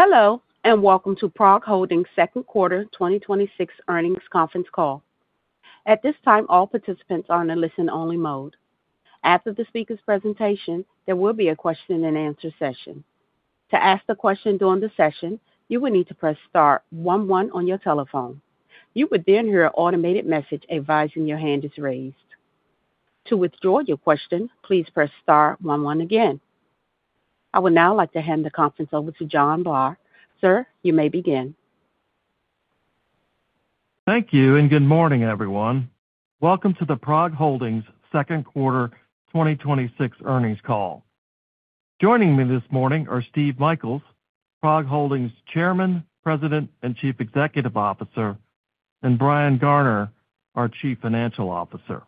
Hello and welcome to PROG Holdings' second quarter 2026 earnings conference call. At this time, all participants are in a listen-only mode. After the speakers' presentation, there will be a question-and-answer session. To ask the question during the session, you will need to press star one one on your telephone. You would then hear an automated message advising your hand is raised. To withdraw your question, please press star one one again. I would now like to hand the conference over to John Baugh. Sir, you may begin. Thank you and good morning, everyone. Welcome to the PROG Holdings second quarter 2026 earnings call. Joining me this morning are Steve Michaels, PROG Holdings Chairman, President, and Chief Executive Officer, and Brian Garner, our Chief Financial Officer.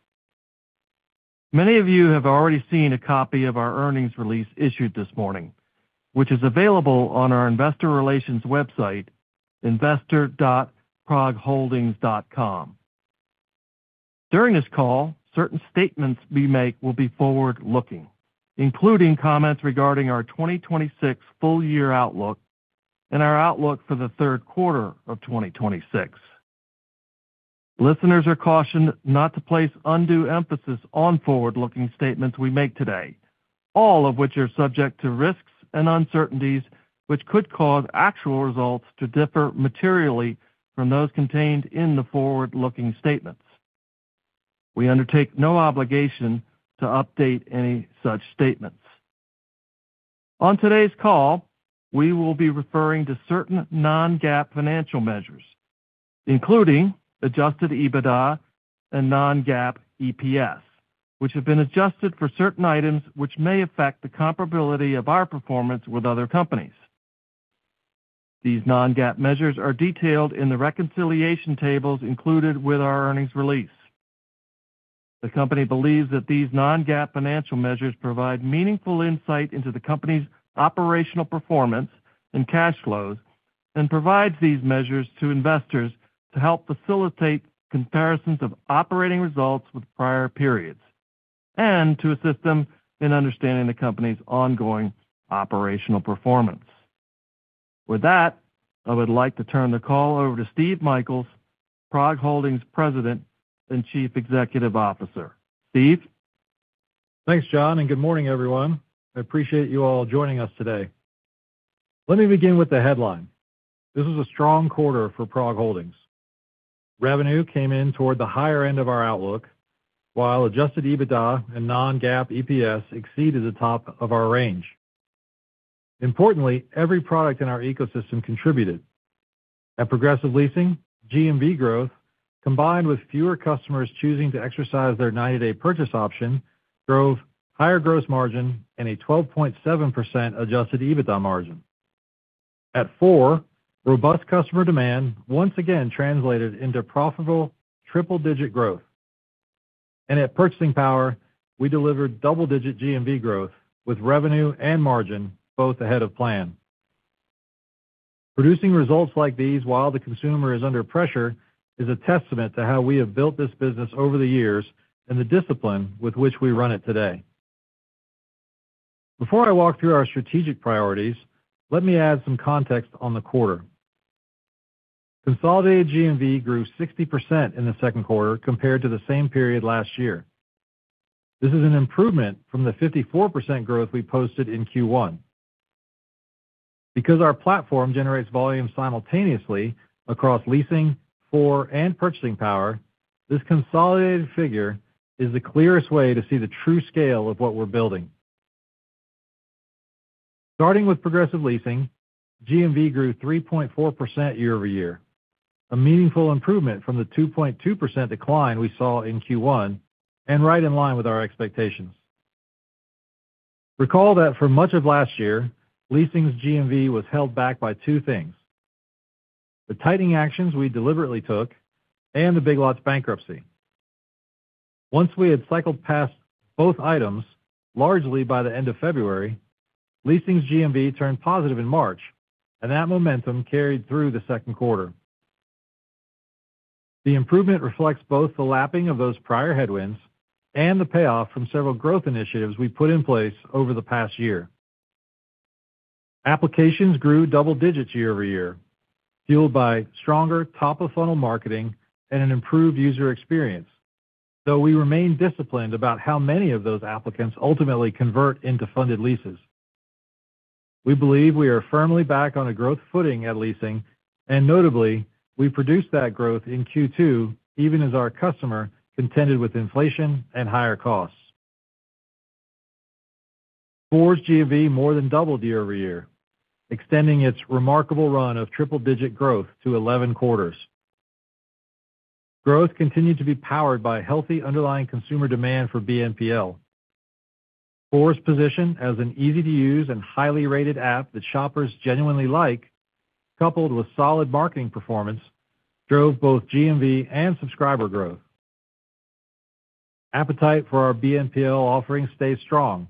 Many of you have already seen a copy of our earnings release issued this morning, which is available on our investor relations website, investor.progholdings.com. During this call, certain statements we make will be forward-looking, including comments regarding our 2026 full year outlook and our outlook for the third quarter of 2026. Listeners are cautioned not to place undue emphasis on forward-looking statements we make today, all of which are subject to risks and uncertainties which could cause actual results to differ materially from those contained in the forward-looking statements. We undertake no obligation to update any such statements. On today's call, we will be referring to certain non-GAAP financial measures, including adjusted EBITDA and non-GAAP EPS, which have been adjusted for certain items which may affect the comparability of our performance with other companies. These non-GAAP measures are detailed in the reconciliation tables included with our earnings release. The company believes that these non-GAAP financial measures provide meaningful insight into the company's operational performance and cash flows, provides these measures to investors to help facilitate comparisons of operating results with prior periods and to assist them in understanding the company's ongoing operational performance. With that, I would like to turn the call over to Steve Michaels, PROG Holdings President and Chief Executive Officer. Steve? Thanks, John and good morning, everyone. I appreciate you all joining us today. Let me begin with the headline. This is a strong quarter for PROG Holdings. Revenue came in toward the higher end of our outlook, while adjusted EBITDA and non-GAAP EPS exceeded the top of our range. Importantly, every product in our ecosystem contributed. At Progressive Leasing, GMV growth, combined with fewer customers choosing to exercise their 90-day purchase option, drove higher gross margin and a 12.7% adjusted EBITDA margin. At Four, robust customer demand once again translated into profitable triple-digit growth. At Purchasing Power, we delivered double-digit GMV growth, with revenue and margin both ahead of plan. Producing results like these while the consumer is under pressure is a testament to how we have built this business over the years and the discipline with which we run it today. Before I walk through our strategic priorities, let me add some context on the quarter. Consolidated GMV grew 60% in the second quarter compared to the same period last year. This is an improvement from the 54% growth we posted in Q1. Because our platform generates volume simultaneously across Leasing, Four, and Purchasing Power, this consolidated figure is the clearest way to see the true scale of what we're building. Starting with Progressive Leasing, GMV grew 3.4% year-over-year, a meaningful improvement from the 2.2% decline we saw in Q1, and right in line with our expectations. Recall that for much of last year, Leasing's GMV was held back by two things: the tightening actions we deliberately took and the Big Lots bankruptcy. Once we had cycled past both items, largely by the end of February, Leasing's GMV turned positive in March, and that momentum carried through the second quarter. The improvement reflects both the lapping of those prior headwinds and the payoff from several growth initiatives we put in place over the past year. Applications grew double digits year-over-year, fueled by stronger top-of-funnel marketing and an improved user experience. Though we remain disciplined about how many of those applicants ultimately convert into funded leases. We believe we are firmly back on a growth footing at Leasing, and notably, we produced that growth in Q2, even as our customer contended with inflation and higher costs. Four's GMV more than doubled year-over-year, extending its remarkable run of triple-digit growth to 11 quarters. Growth continued to be powered by healthy underlying consumer demand for BNPL. Four's position as an easy-to-use and highly rated app that shoppers genuinely like, coupled with solid marketing performance, drove both GMV and subscriber growth. Appetite for our BNPL offering stays strong,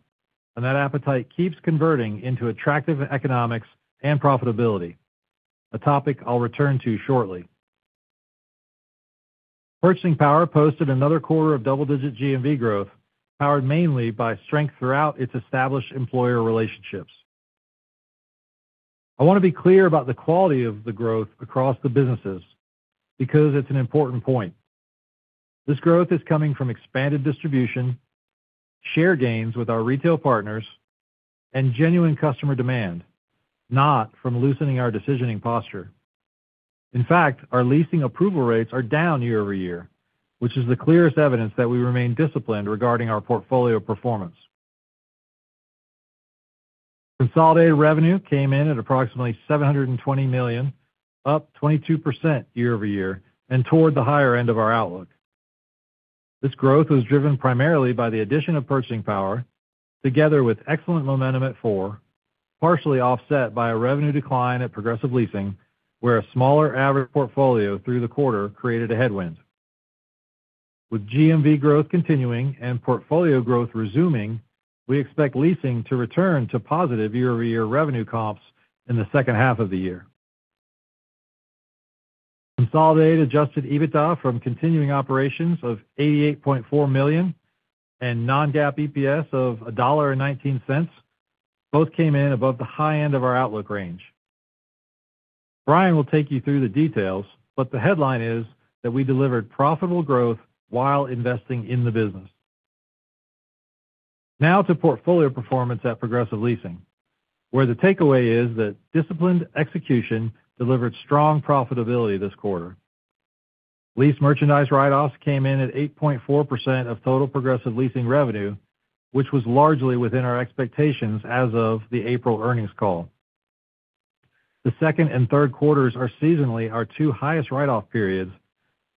and that appetite keeps converting into attractive economics and profitability. A topic I'll return to shortly. Purchasing Power posted another quarter of double-digit GMV growth, powered mainly by strength throughout its established employer relationships. I want to be clear about the quality of the growth across the businesses because it's an important point. This growth is coming from expanded distribution, share gains with our retail partners, and genuine customer demand, not from loosening our decisioning posture. In fact, our leasing approval rates are down year-over-year, which is the clearest evidence that we remain disciplined regarding our portfolio performance. Consolidated revenue came in at approximately $720 million, up 22% year-over-year, and toward the higher end of our outlook. This growth was driven primarily by the addition of Purchasing Power, together with excellent momentum at Four, partially offset by a revenue decline at Progressive Leasing, where a smaller average portfolio through the quarter created a headwind. With GMV growth continuing and portfolio growth resuming, we expect leasing to return to positive year-over-year revenue comps in the second half of the year. Consolidated adjusted EBITDA from continuing operations of $88.4 million and non-GAAP EPS of $1.19 both came in above the high end of our outlook range. Brian will take you through the details, but the headline is that we delivered profitable growth while investing in the business. Now to portfolio performance at Progressive Leasing, where the takeaway is that disciplined execution delivered strong profitability this quarter. Lease merchandise write-offs came in at 8.4% of total Progressive Leasing revenue, which was largely within our expectations as of the April earnings call. The second and third quarters are seasonally our two highest write-off periods.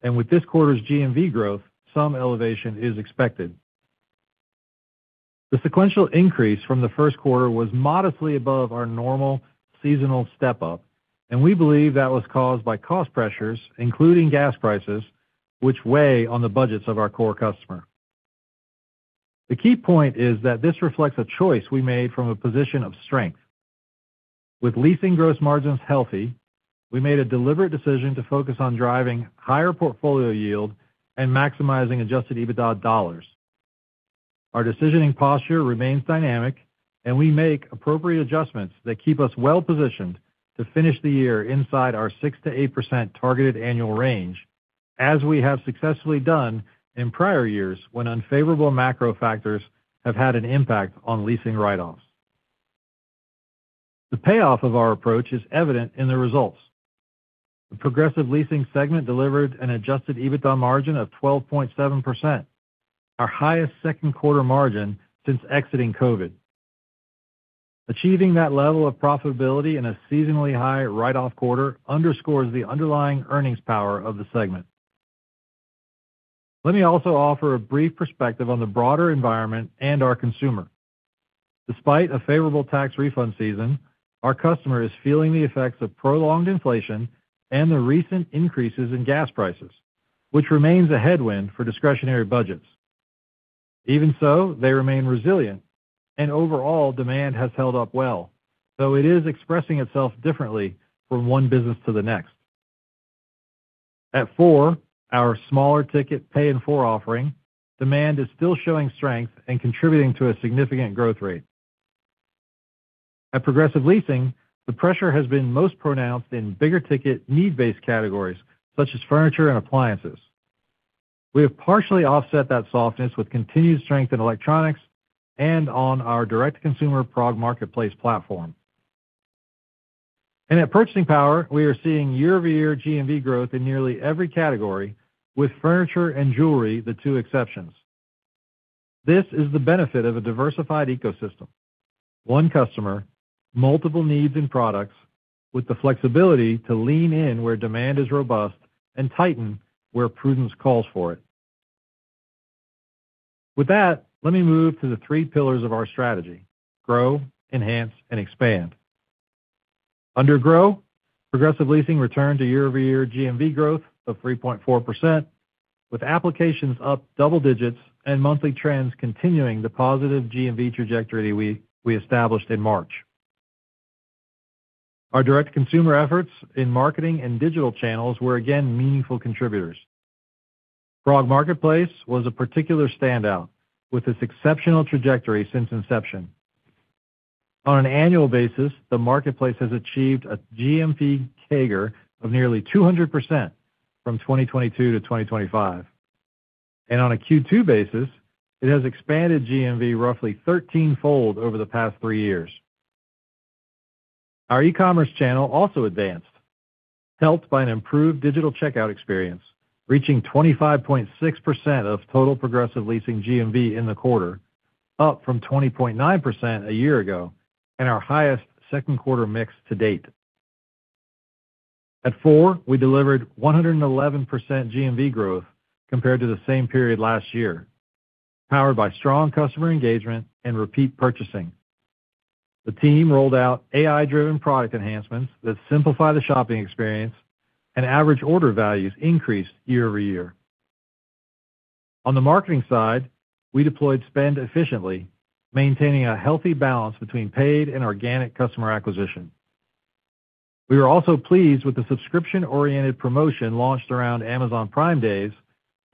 With this quarter's GMV growth, some elevation is expected. The sequential increase from the first quarter was modestly above our normal seasonal step-up. We believe that was caused by cost pressures, including gas prices, which weigh on the budgets of our core customer. The key point is that this reflects a choice we made from a position of strength. With leasing gross margins healthy, we made a deliberate decision to focus on driving higher portfolio yield and maximizing adjusted EBITDA dollars. Our decisioning posture remains dynamic. We make appropriate adjustments that keep us well-positioned to finish the year inside our 6%-8% targeted annual range, as we have successfully done in prior years when unfavorable macro factors have had an impact on leasing write-offs. The payoff of our approach is evident in the results. The Progressive Leasing segment delivered an adjusted EBITDA margin of 12.7%, our highest second quarter margin since exiting COVID. Achieving that level of profitability in a seasonally high write-off quarter underscores the underlying earnings power of the segment. Let me also offer a brief perspective on the broader environment and our consumer. Despite a favorable tax refund season, our customer is feeling the effects of prolonged inflation and the recent increases in gas prices, which remains a headwind for discretionary budgets. Even so, they remain resilient, and overall demand has held up well, though it is expressing itself differently from one business to the next. At Four, our smaller ticket pay in full offering, demand is still showing strength and contributing to a significant growth rate. At Progressive Leasing, the pressure has been most pronounced in bigger ticket, need-based categories such as furniture and appliances. We have partially offset that softness with continued strength in electronics and on our direct-to-consumer PROG Marketplace platform. At Purchasing Power, we are seeing year-over-year GMV growth in nearly every category, with furniture and jewelry the two exceptions. This is the benefit of a diversified ecosystem. One customer, multiple needs and products, with the flexibility to lean in where demand is robust and tighten where prudence calls for it. With that, let me move to the three pillars of our strategy, grow, enhance, and expand. Under grow, Progressive Leasing returned to year-over-year GMV growth of 3.4%, with applications up double digits and monthly trends continuing the positive GMV trajectory we established in March. Our direct consumer efforts in marketing and digital channels were again meaningful contributors. PROG Marketplace was a particular standout, with its exceptional trajectory since inception. On an annual basis, the marketplace has achieved a GMV CAGR of nearly 200% from 2022 to 2025. On a Q2 basis, it has expanded GMV roughly 13-fold over the past three years. Our e-commerce channel also advanced, helped by an improved digital checkout experience, reaching 25.6% of total Progressive Leasing GMV in the quarter, up from 20.9% a year ago and our highest second quarter mix to date. At Four, we delivered 111% GMV growth compared to the same period last year, powered by strong customer engagement and repeat purchasing. The team rolled out AI-driven product enhancements that simplify the shopping experience, and average order values increased year-over-year. On the marketing side, we deployed spend efficiently, maintaining a healthy balance between paid and organic customer acquisition. We are also pleased with the subscription-oriented promotion launched around Amazon Prime Day,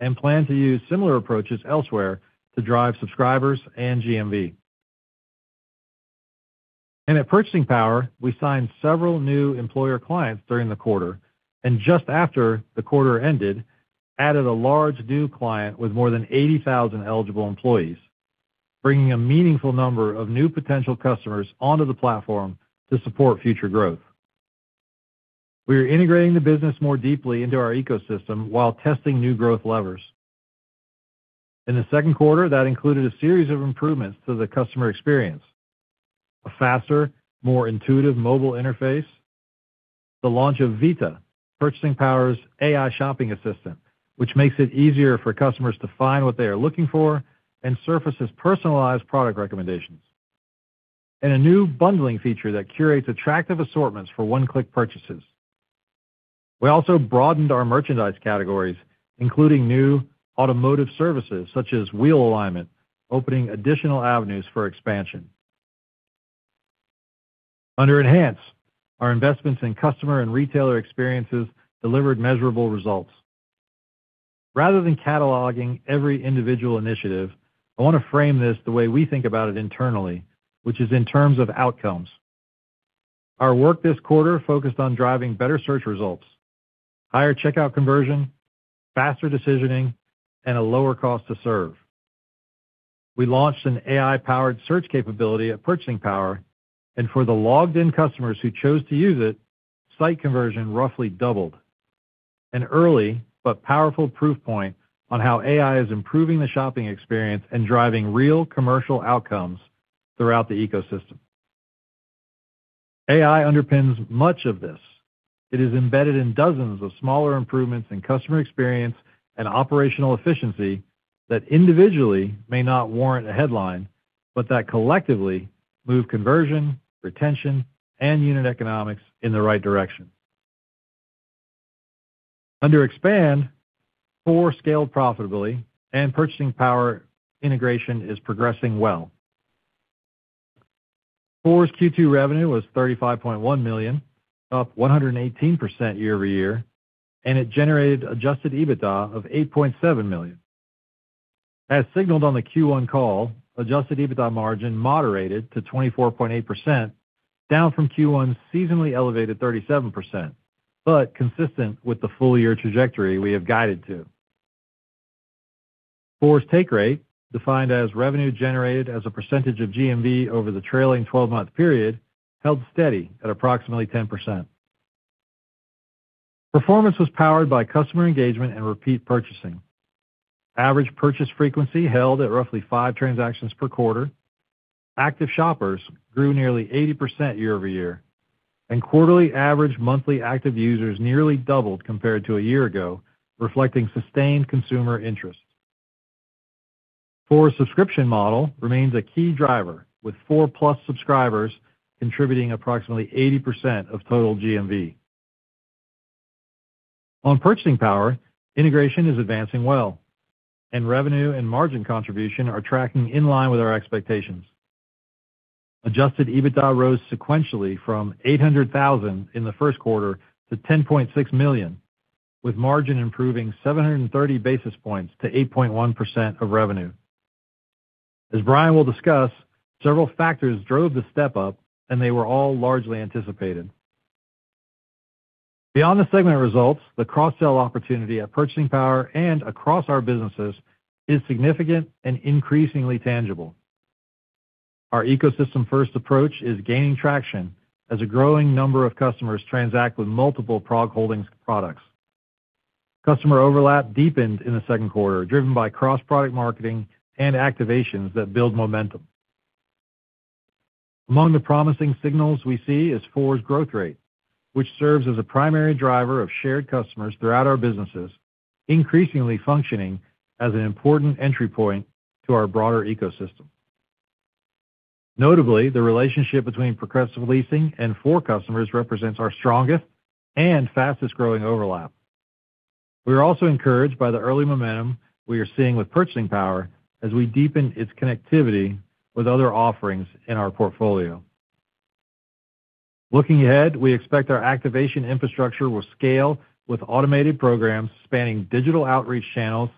and plan to use similar approaches elsewhere to drive subscribers and GMV. At Purchasing Power, we signed several new employer clients during the quarter, and just after the quarter ended, added a large new client with more than 80,000 eligible employees, bringing a meaningful number of new potential customers onto the platform to support future growth. We are integrating the business more deeply into our ecosystem while testing new growth levers. In the second quarter, that included a series of improvements to the customer experience. A faster, more intuitive mobile interface, the launch of Vita, Purchasing Power's AI shopping assistant, which makes it easier for customers to find what they are looking for and surfaces personalized product recommendations, and a new bundling feature that curates attractive assortments for one-click purchases. We also broadened our merchandise categories, including new automotive services such as wheel alignment, opening additional avenues for expansion. Under enhance, our investments in customer and retailer experiences delivered measurable results. Rather than cataloging every individual initiative, I want to frame this the way we think about it internally, which is in terms of outcomes. Our work this quarter focused on driving better search results, higher checkout conversion, faster decisioning, and a lower cost to serve. We launched an AI-powered search capability at Purchasing Power, and for the logged-in customers who chose to use it, site conversion roughly doubled. An early but powerful proof point on how AI is improving the shopping experience and driving real commercial outcomes throughout the ecosystem. AI underpins much of this. It is embedded in dozens of smaller improvements in customer experience and operational efficiency that individually may not warrant a headline, but that collectively move conversion, retention, and unit economics in the right direction. Under expand, Four scaled profitably and Purchasing Power integration is progressing well. Four's Q2 revenue was $35.1 million, up 118% year-over-year, and it generated adjusted EBITDA of $8.7 million. As signaled on the Q1 call, adjusted EBITDA margin moderated to 24.8%, down from Q1's seasonally elevated 37%, but consistent with the full year trajectory we have guided to. Four's take rate, defined as revenue generated as a percentage of GMV over the trailing 12-month period, held steady at approximately 10%. Performance was powered by customer engagement and repeat purchasing. Average purchase frequency held at roughly five transactions per quarter. Active shoppers grew nearly 80% year-over-year, and quarterly average monthly active users nearly doubled compared to a year ago, reflecting sustained consumer interest. Four's subscription model remains a key driver, with Four+ subscribers contributing approximately 80% of total GMV. On Purchasing Power, integration is advancing well, and revenue and margin contribution are tracking in line with our expectations. Adjusted EBITDA rose sequentially from $800,000 in the first quarter to $10.6 million, with margin improving 730 basis points to 8.1% of revenue. As Brian will discuss, several factors drove the step-up, and they were all largely anticipated. Beyond the segment results, the cross-sell opportunity at Purchasing Power and across our businesses is significant and increasingly tangible. Our ecosystem-first approach is gaining traction as a growing number of customers transact with multiple PROG Holdings products. Customer overlap deepened in the second quarter, driven by cross-product marketing and activations that build momentum. Among the promising signals we see is Four's growth rate, which serves as a primary driver of shared customers throughout our businesses, increasingly functioning as an important entry point to our broader ecosystem. Notably, the relationship between Progressive Leasing and Four customers represents our strongest and fastest-growing overlap. We are also encouraged by the early momentum we are seeing with Purchasing Power as we deepen its connectivity with other offerings in our portfolio. Looking ahead, we expect our activation infrastructure will scale with automated programs spanning digital outreach channels,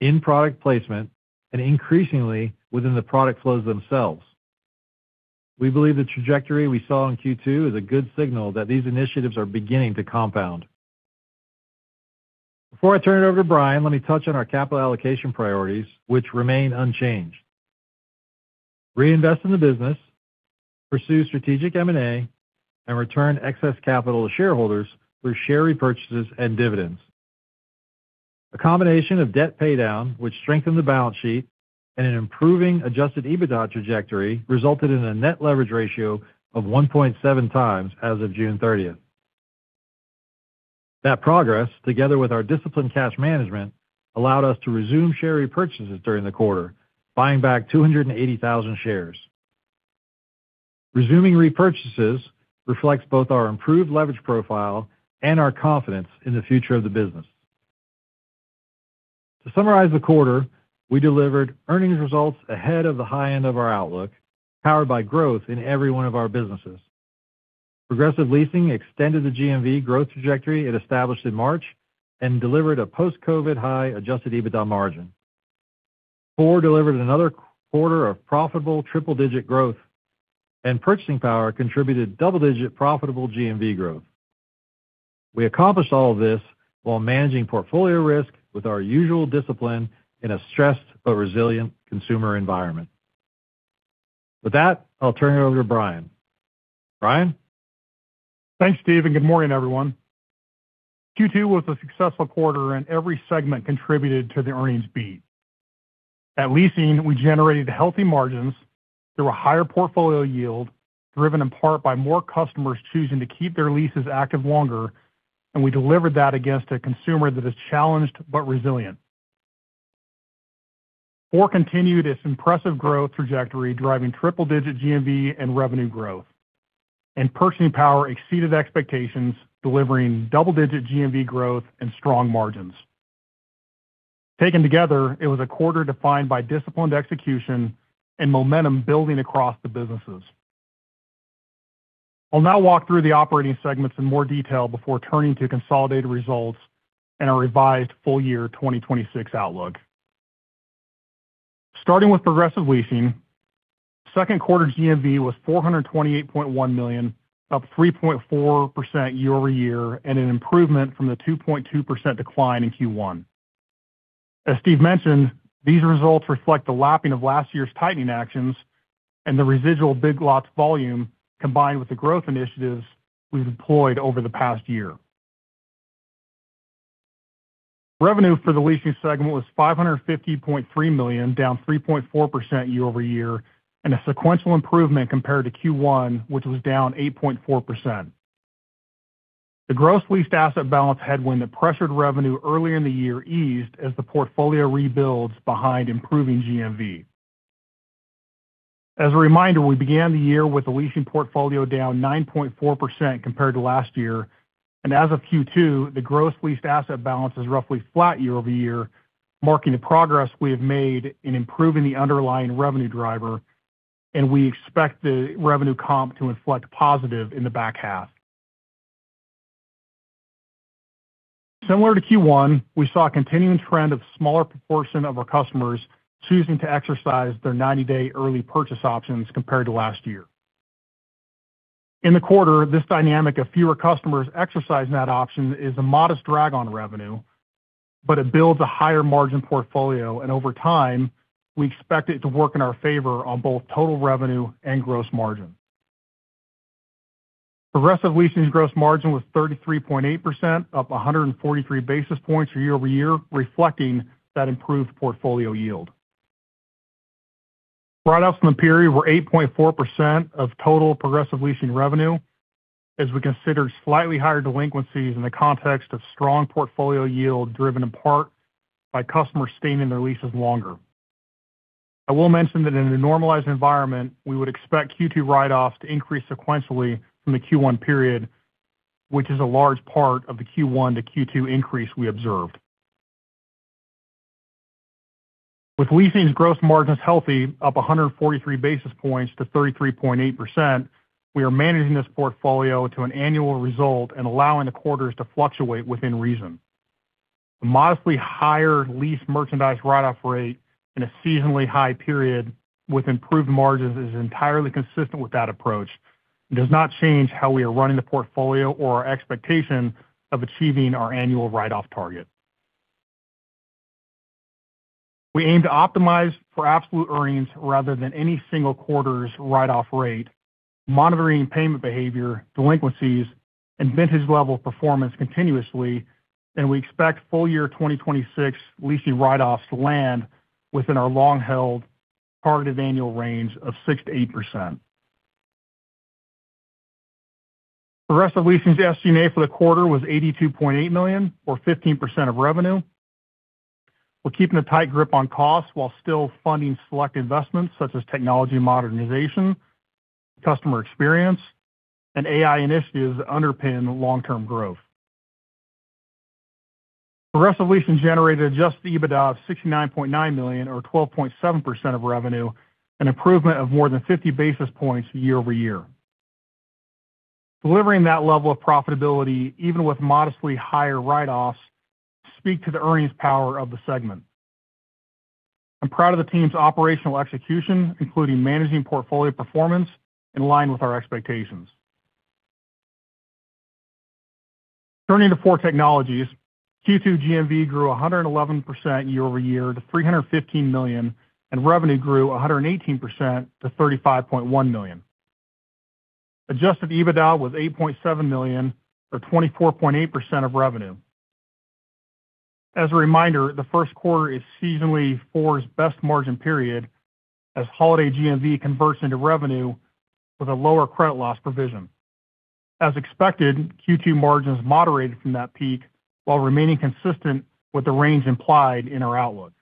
in-product placement, and increasingly within the product flows themselves. We believe the trajectory we saw in Q2 is a good signal that these initiatives are beginning to compound. Before I turn it over to Brian, let me touch on our capital allocation priorities, which remain unchanged. Reinvest in the business, pursue strategic M&A, and return excess capital to shareholders through share repurchases and dividends. A combination of debt paydown, which strengthened the balance sheet, and an improving adjusted EBITDA trajectory resulted in a net leverage ratio of 1.7x as of June 30th. That progress, together with our disciplined cash management, allowed us to resume share repurchases during the quarter, buying back 280,000 shares. Resuming repurchases reflects both our improved leverage profile and our confidence in the future of the business. To summarize the quarter, we delivered earnings results ahead of the high end of our outlook, powered by growth in every one of our businesses. Progressive Leasing extended the GMV growth trajectory it established in March and delivered a post-COVID high adjusted EBITDA margin. Four delivered another quarter of profitable triple-digit growth, Purchasing Power contributed double-digit profitable GMV growth. We accomplished all of this while managing portfolio risk with our usual discipline in a stressed but resilient consumer environment. With that, I'll turn it over to Brian. Brian? Thanks, Steve, good morning, everyone. Q2 was a successful quarter, every segment contributed to the earnings beat. At Leasing, we generated healthy margins through a higher portfolio yield, driven in part by more customers choosing to keep their leases active longer, and we delivered that against a consumer that is challenged but resilient. Four continued its impressive growth trajectory, driving triple-digit GMV and revenue growth. Purchasing Power exceeded expectations, delivering double-digit GMV growth and strong margins. Taken together, it was a quarter defined by disciplined execution and momentum building across the businesses. I'll now walk through the operating segments in more detail before turning to consolidated results and our revised full-year 2026 outlook. Starting with Progressive Leasing, second quarter GMV was $428.1 million, up 3.4% year-over-year, and an improvement from the 2.2% decline in Q1. As Steve mentioned, these results reflect the lapping of last year's tightening actions and the residual Big Lots volume, combined with the growth initiatives we've employed over the past year. Revenue for the Leasing segment was $550.3 million, down 3.4% year-over-year, and a sequential improvement compared to Q1, which was down 8.4%. The gross leased asset balance headwind that pressured revenue earlier in the year eased as the portfolio rebuilds behind improving GMV. As a reminder, we began the year with the Leasing portfolio down 9.4% compared to last year. As of Q2, the gross leased asset balance is roughly flat year-over-year, marking the progress we have made in improving the underlying revenue driver, and we expect the revenue comp to inflect positive in the back half. Similar to Q1, we saw a continuing trend of smaller proportion of our customers choosing to exercise their 90-day early purchase options compared to last year. In the quarter, this dynamic of fewer customers exercising that option is a modest drag on revenue, but it builds a higher margin portfolio, and over time, we expect it to work in our favor on both total revenue and gross margin. Progressive Leasing's gross margin was 33.8%, up 143 basis points year-over-year, reflecting that improved portfolio yield. Write-offs in the period were 8.4% of total Progressive Leasing revenue, as we considered slightly higher delinquencies in the context of strong portfolio yield, driven in part by customers staying in their leases longer. I will mention that in a normalized environment, we would expect Q2 write-offs to increase sequentially from the Q1 period, which is a large part of the Q1 to Q2 increase we observed. With Leasing's gross margins healthy, up 143 basis points to 33.8%, we are managing this portfolio to an annual result and allowing the quarters to fluctuate within reason. A modestly higher leased merchandise write-off rate in a seasonally high period with improved margins is entirely consistent with that approach and does not change how we are running the portfolio or our expectation of achieving our annual write-off target. We aim to optimize for absolute earnings rather than any single quarter's write-off rate, monitoring payment behavior, delinquencies, and vintage level performance continuously, and we expect full year 2026 Leasing write-offs to land within our long-held targeted annual range of 6%-8%. Progressive Leasing's SGA for the quarter was $82.8 million, or 15% of revenue. We're keeping a tight grip on costs while still funding select investments such as technology modernization, customer experience, and AI initiatives that underpin long-term growth. Progressive Leasing generated adjusted EBITDA of $69.9 million, or 12.7% of revenue, an improvement of more than 50 basis points year-over-year. Delivering that level of profitability, even with modestly higher write-offs, speaks to the earnings power of the segment. I'm proud of the team's operational execution, including managing portfolio performance in line with our expectations. Turning to Four Technologies, Q2 GMV grew 111% year-over-year to $315 million, and revenue grew 118% to $35.1 million. Adjusted EBITDA was $8.7 million, or 24.8% of revenue. As a reminder, the first quarter is seasonally Four's best margin period as holiday GMV converts into revenue with a lower credit loss provision. As expected, Q2 margins moderated from that peak while remaining consistent with the range implied in our outlook.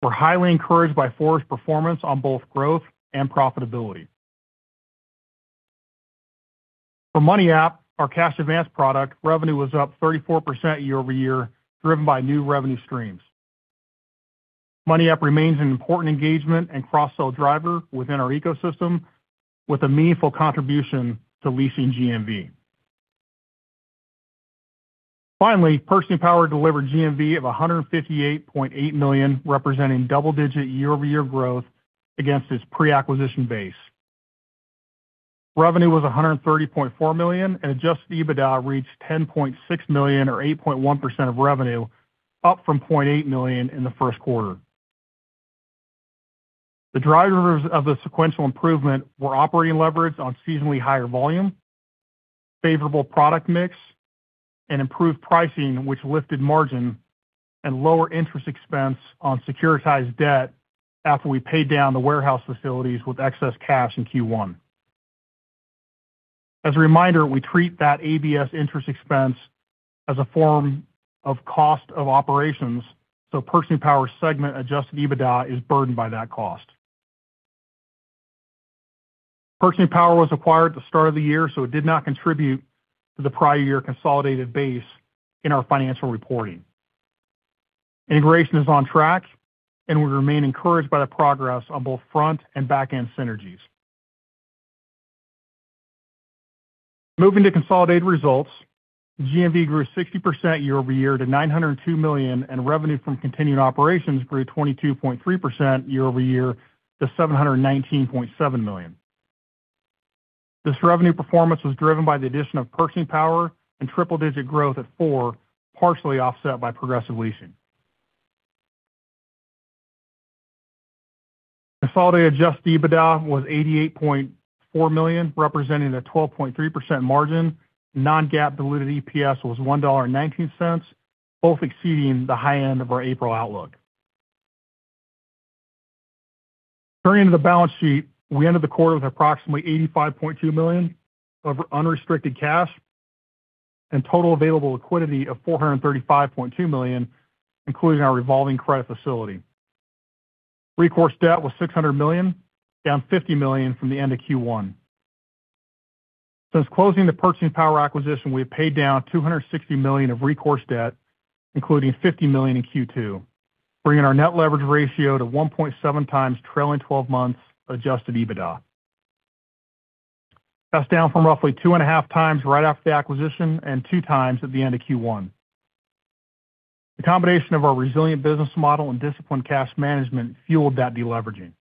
We're highly encouraged by Four's performance on both growth and profitability. For MoneyApp, our cash advance product, revenue was up 34% year-over-year, driven by new revenue streams. MoneyApp remains an important engagement and cross-sell driver within our ecosystem, with a meaningful contribution to Leasing GMV. Finally, Purchasing Power delivered GMV of $158.8 million, representing double-digit year-over-year growth against its pre-acquisition base. Revenue was $130.4 million, and adjusted EBITDA reached $10.6 million or 8.1% of revenue, up from $0.8 million in the first quarter. The drivers of the sequential improvement were operating leverage on seasonally higher volume, favorable product mix, and improved pricing which lifted margin, and lower interest expense on securitized debt after we paid down the warehouse facilities with excess cash in Q1. As a reminder, we treat that ABS interest expense as a form of cost of operations, so Purchasing Power segment adjusted EBITDA is burdened by that cost. Purchasing Power was acquired at the start of the year, so it did not contribute to the prior year consolidated base in our financial reporting. Integration is on track, and we remain encouraged by the progress on both front and backend synergies. Moving to consolidated results. GMV grew 60% year-over-year to $902 million, and revenue from continuing operations grew 22.3% year-over-year to $719.7 million. This revenue performance was driven by the addition of Purchasing Power and triple-digit growth at Four, partially offset by Progressive Leasing. Consolidated adjusted EBITDA was $88.4 million, representing a 12.3% margin. Non-GAAP diluted EPS was $1.19, both exceeding the high end of our April outlook. Turning to the balance sheet, we ended the quarter with approximately $85.2 million of unrestricted cash and total available liquidity of $435.2 million, including our revolving credit facility. Recourse debt was $600 million, down $50 million from the end of Q1. Since closing the Purchasing Power acquisition, we have paid down $260 million of recourse debt, including $50 million in Q2, bringing our net leverage ratio to 1.7x trailing 12 months adjusted EBITDA. That's down from roughly 2.5x right after the acquisition and 2x at the end of Q1. The combination of our resilient business model and disciplined cash management fueled that de-leveraging,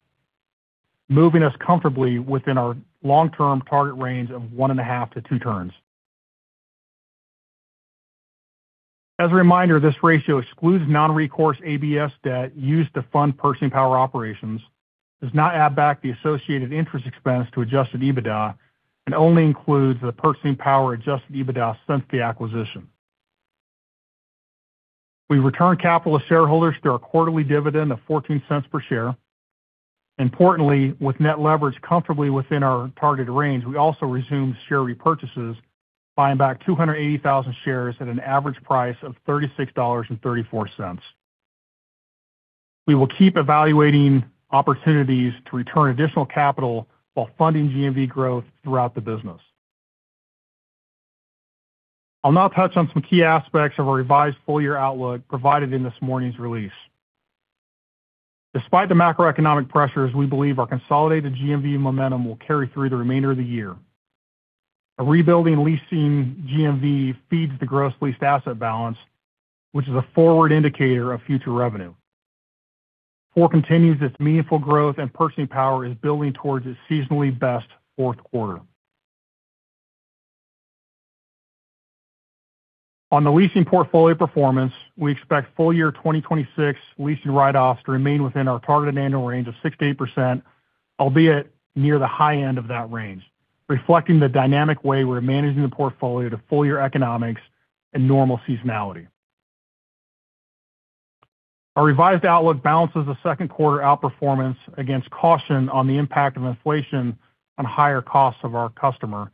moving us comfortably within our long-term target range of 1.5x-2x. As a reminder, this ratio excludes non-recourse ABS debt used to fund Purchasing Power operations, does not add back the associated interest expense to adjusted EBITDA, and only includes the Purchasing Power adjusted EBITDA since the acquisition. We returned capital to shareholders through our quarterly dividend of $0.14 per share. Importantly, with net leverage comfortably within our targeted range, we also resumed share repurchases, buying back 280,000 shares at an average price of $36.34. We will keep evaluating opportunities to return additional capital while funding GMV growth throughout the business. I'll now touch on some key aspects of our revised full-year outlook provided in this morning's release. Despite the macroeconomic pressures, we believe our consolidated GMV momentum will carry through the remainder of the year. A rebuilding Leasing GMV feeds the gross leased asset balance, which is a forward indicator of future revenue. Four continues its meaningful growth and Purchasing Power is building towards its seasonally best fourth quarter. On the leasing portfolio performance, we expect full year 2026 leasing write-offs to remain within our targeted annual range of 6%-8%, albeit near the high end of that range, reflecting the dynamic way we're managing the portfolio to full-year economics and normal seasonality. Our revised outlook balances the second quarter outperformance against caution on the impact of inflation on higher costs of our customer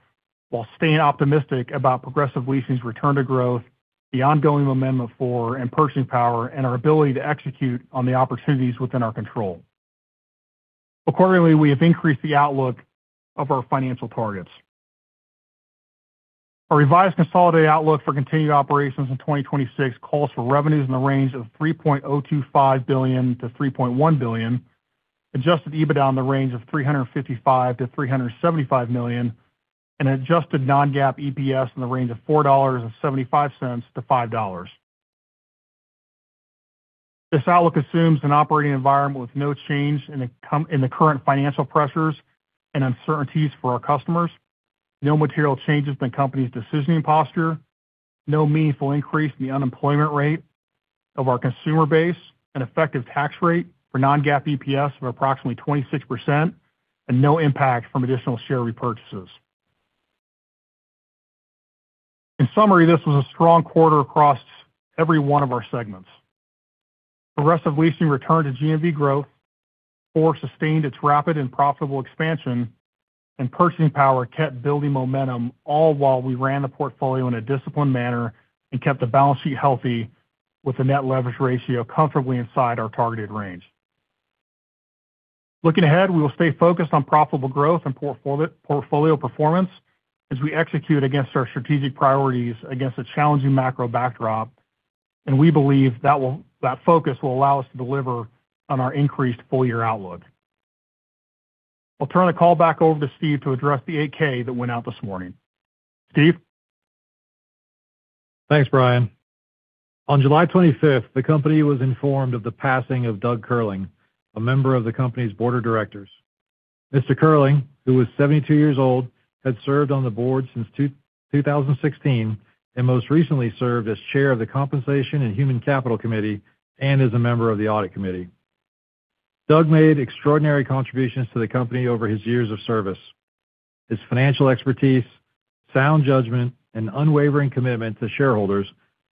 while staying optimistic about Progressive Leasing's return to growth, the ongoing momentum of Four and Purchasing Power, and our ability to execute on the opportunities within our control. We have increased the outlook of our financial targets. Our revised consolidated outlook for continued operations in 2026 calls for revenues in the range of $3.025 billion-$3.1 billion, adjusted EBITDA in the range of $355 million-$375 million, and adjusted non-GAAP EPS in the range of $4.75-$5. This outlook assumes an operating environment with no change in the current financial pressures and uncertainties for our customers. No material changes in the company's decisioning posture. No meaningful increase in the unemployment rate of our consumer base, an effective tax rate for non-GAAP EPS of approximately 26%, and no impact from additional share repurchases. In summary, this was a strong quarter across every one of our segments. Progressive Leasing returned to GMV growth, Four sustained its rapid and profitable expansion, and Purchasing Power kept building momentum, all while we ran the portfolio in a disciplined manner and kept the balance sheet healthy with the net leverage ratio comfortably inside our targeted range. Looking ahead, we will stay focused on profitable growth and portfolio performance as we execute against our strategic priorities against a challenging macro backdrop. We believe that focus will allow us to deliver on our increased full-year outlook. I'll turn the call back over to Steve to address the 8-K that went out this morning. Steve? Thanks, Brian. On July 25th, the company was informed of the passing of Doug Curling, a member of the company's board of directors. Mr. Curling, who was 72 years old, had served on the board since 2016, and most recently served as chair of the Compensation & Human Capital Committee, and is a member of the Audit Committee. Doug made extraordinary contributions to the company over his years of service. His financial expertise, sound judgment, and unwavering commitment to shareholders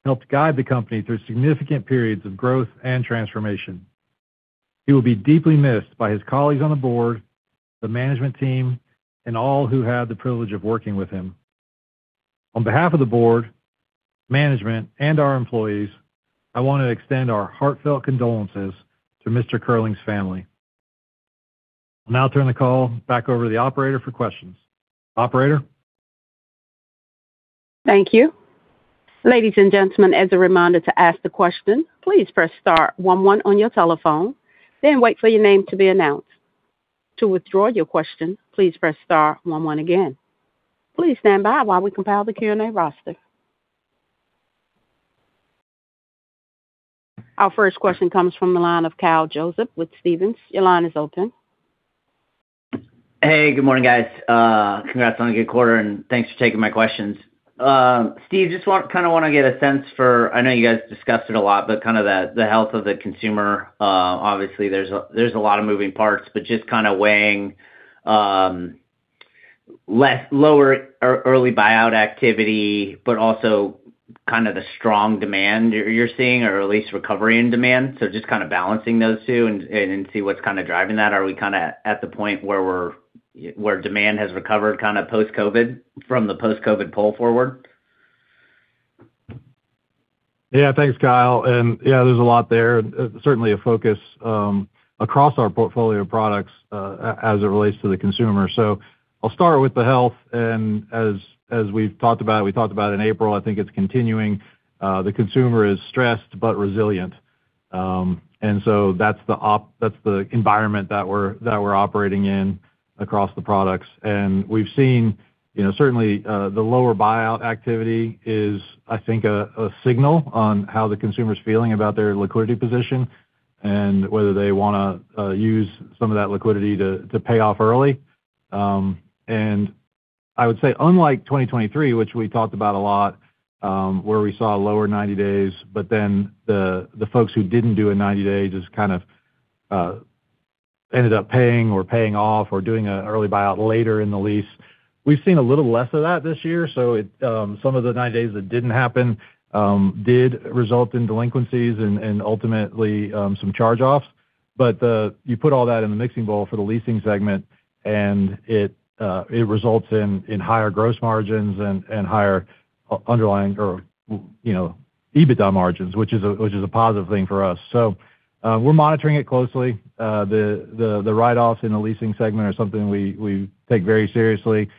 helped guide the company through significant periods of growth and transformation. He will be deeply missed by his colleagues on the board, the management team, and all who had the privilege of working with him. On behalf of the board, management, and our employees, I want to extend our heartfelt condolences to Mr. Curling's family. I'll now turn the call back over to the operator for questions. Operator? Thank you. Ladies and gentlemen, as a reminder to ask the question, please press star one one on your telephone, then wait for your name to be announced. To withdraw your question, please press star one one again. Please stand by while we compile the Q&A roster. Our first question comes from the line of Kyle Joseph with Stephens. Your line is open. Hey, good morning, guys. Congrats on a good quarter, and thanks for taking my questions. Steve, just want to get a sense for, I know you guys discussed it a lot, but the health of the consumer. Obviously, there's a lot of moving parts, but just weighing lower early buyout activity, but also the strong demand you're seeing or at least recovery in demand. Just balancing those two and see what's driving that. Are we at the point where demand has recovered post-COVID from the post-COVID pull forward? Thanks, Kyle. Yeah, there's a lot there, certainly a focus across our portfolio of products as it relates to the consumer. I'll start with the health, and as we've talked about, we talked about in April, I think it's continuing. The consumer is stressed but resilient. That's the environment that we're operating in across the products. We've seen, certainly, the lower buyout activity is, I think a signal on how the consumer's feeling about their liquidity position and whether they want to use some of that liquidity to pay off early. I would say unlike 2023, which we talked about a lot, where we saw lower 90 days, but then the folks who didn't do a 90 day just ended up paying or paying off or doing an early buyout later in the lease. We've seen a little less of that this year, some of the 90 days that didn't happen did result in delinquencies and ultimately some charge-offs. You put all that in the mixing bowl for the leasing segment, and it results in higher gross margins and higher underlying or EBITDA margins, which is a positive thing for us. We're monitoring it closely. The write-offs in the leasing segment are something we take very seriously.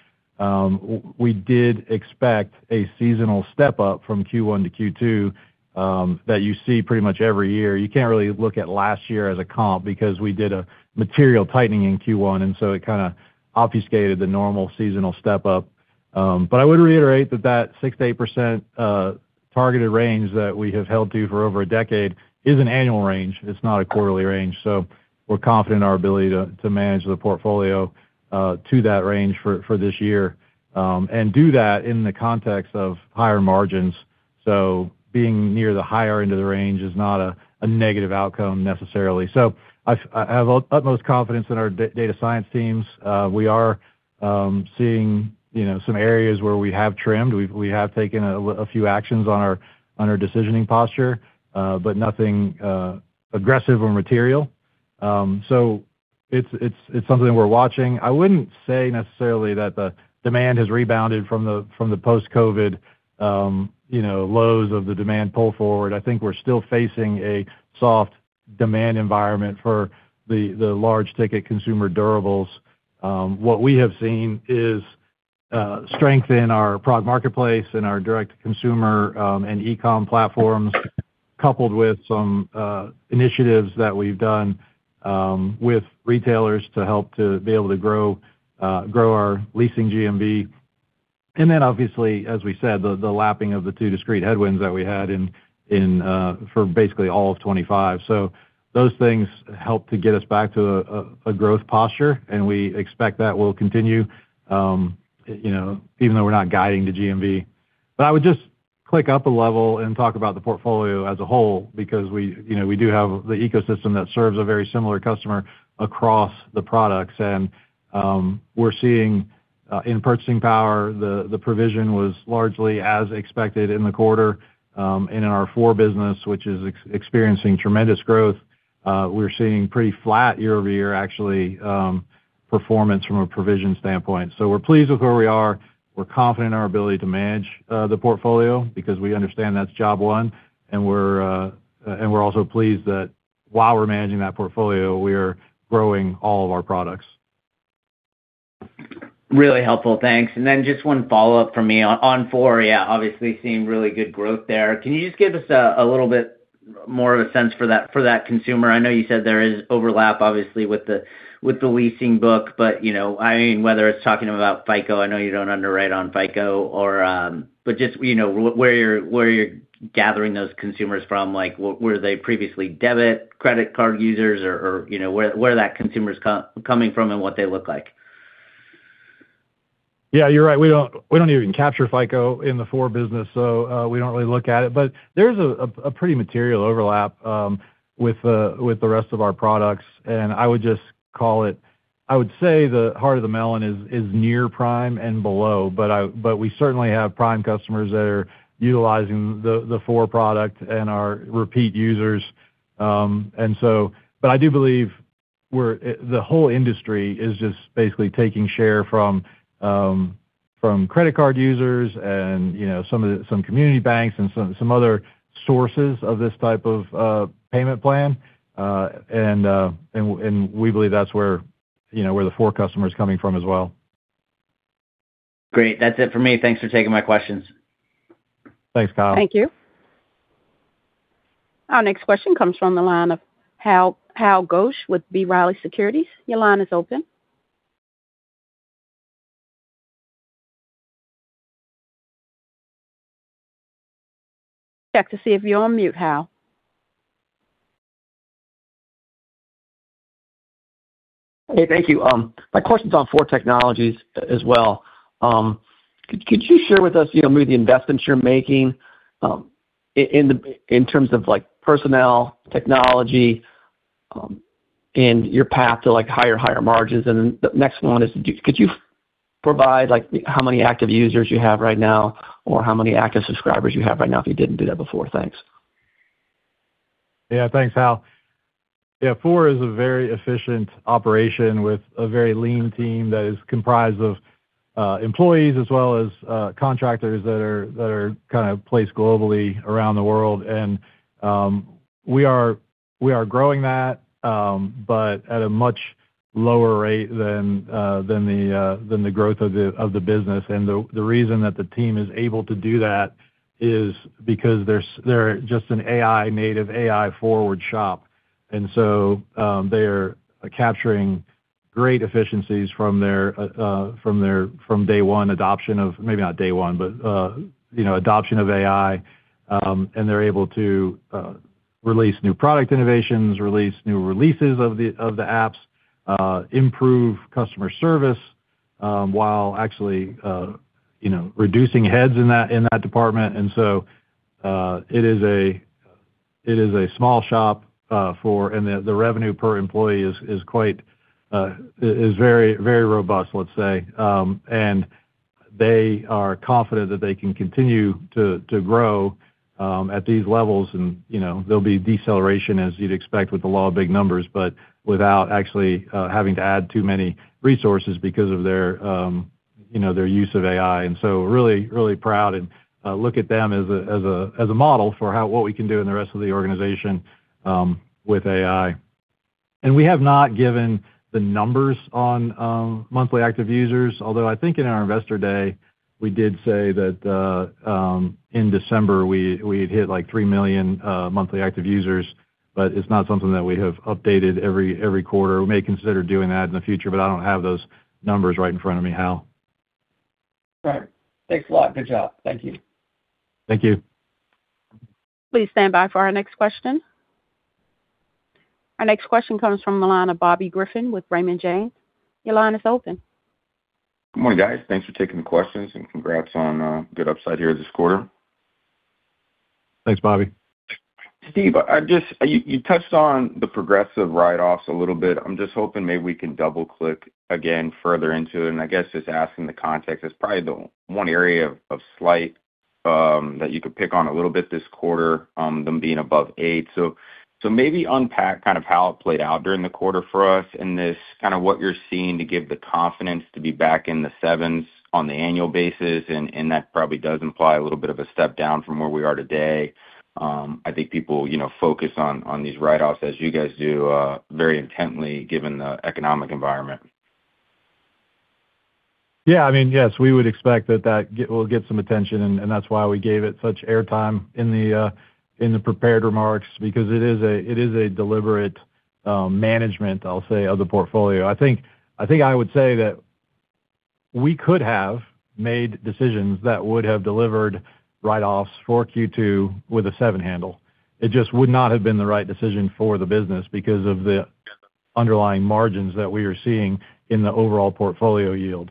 We did expect a seasonal step-up from Q1 to Q2, that you see pretty much every year. You can't really look at last year as a comp because we did a material tightening in Q1, it obfuscated the normal seasonal step-up. I would reiterate that that 6%-8% targeted range that we have held to for over a decade is an annual range. It's not a quarterly range. We're confident in our ability to manage the portfolio to that range for this year. Do that in the context of higher margins. Being near the higher end of the range is not a negative outcome necessarily. I have utmost confidence in our data science teams. We are seeing some areas where we have trimmed. We have taken a few actions on our decisioning posture, but nothing aggressive or material. It's something we're watching. I wouldn't say necessarily that the demand has rebounded from the post-COVID lows of the demand pull forward. I think we're still facing a soft demand environment for the large ticket consumer durables. What we have seen is strength in our PROG Marketplace and our direct consumer, and e-com platforms, coupled with some initiatives that we've done with retailers to help to be able to grow our leasing GMV. Obviously, as we said, the lapping of the two discrete headwinds that we had in for basically all of 2025. Those things help to get us back to a growth posture, and we expect that will continue even though we're not guiding to GMV. I would just click up a level and talk about the portfolio as a whole because we do have the ecosystem that serves a very similar customer across the products. We're seeing in Purchasing Power, the provision was largely as expected in the quarter. In our Four business, which is experiencing tremendous growth, we're seeing pretty flat year-over-year actually, performance from a provision standpoint. We're pleased with where we are. We're confident in our ability to manage the portfolio because we understand that's job one, and we're also pleased that while we're managing that portfolio, we are growing all of our products. Really helpful. Thanks. Just one follow-up from me on Four. Obviously seeing really good growth there. Can you just give us a little bit more of a sense for that consumer? I know you said there is overlap obviously with the leasing book, but whether it's talking about FICO, I know you don't underwrite on FICO. Just where you're gathering those consumers from, were they previously debit, credit card users? Where are those consumers coming from and what they look like? Yeah, you're right. We don't even capture FICO in the Four business, we don't really look at it. There's a pretty material overlap with the rest of our products. I would just call it. I would say the heart of the melon is near-prime and below. We certainly have prime customers that are utilizing the Four product and are repeat users. I do believe the whole industry is just basically taking share from credit card users and some community banks and some other sources of this type of payment plan. We believe that's where the Four customer is coming from as well. Great. That's it for me. Thanks for taking my questions. Thanks, Kyle. Thank you. Our next question comes from the line of Hal Goetsch with B. Riley Securities. Your line is open. Check to see if you're on mute, Hal. Hey, thank you. My question's on Four Technologies as well. Could you share with us maybe the investments you're making in terms of personnel, technology, and your path to higher margins? The next one is could you provide how many active users you have right now, or how many active subscribers you have right now, if you didn't do that before? Thanks. Thanks, Hal. Four is a very efficient operation with a very lean team that is comprised of employees as well as contractors that are kind of placed globally around the world. We are growing that, but at a much lower rate than the growth of the business. The reason that the team is able to do that is because they're just an AI-native, AI-forward shop. They're capturing great efficiencies from day one adoption of, maybe not day one, but adoption of AI. They're able to release new product innovations, release new releases of the apps, improve customer service, while actually reducing heads in that department. It is a small shop, and the revenue per employee is very robust, let's say. They are confident that they can continue to grow at these levels. There'll be deceleration, as you'd expect with the law of big numbers, but without actually having to add too many resources because of their use of AI. Really, really proud and look at them as a model for what we can do in the rest of the organization with AI. We have not given the numbers on monthly active users. Although I think in our investor day, we did say that in December we had hit 3 million monthly active users. It's not something that we have updated every quarter. We may consider doing that in the future, but I don't have those numbers right in front of me, Hal. All right. Thanks a lot. Good job. Thank you. Thank you. Please stand by for our next question. Our next question comes from the line of Bobby Griffin with Raymond James. Your line is open. Good morning, guys. Thanks for taking the questions and congrats on good upside here this quarter. Thanks, Bobby. Steve, you touched on the Progressive Leasing write-offs a little bit. I'm just hoping maybe we can double-click again further into it, and I guess just asking the context, that's probably the one area of slight that you could pick on a little bit this quarter, them being above 8%. Maybe unpack kind of how it played out during the quarter for us and just kind of what you're seeing to give the confidence to be back in the 7s on the annual basis. That probably does imply a little bit of a step down from where we are today. I think people focus on these write-offs as you guys do very intently given the economic environment. Yeah. Yes, we would expect that that will get some attention and that's why we gave it such airtime in the prepared remarks because it is a deliberate management, I'll say, of the portfolio. I think I would say that we could have made decisions that would have delivered write-offs for Q2 with a 7% handle. It just would not have been the right decision for the business because of the underlying margins that we are seeing in the overall portfolio yield.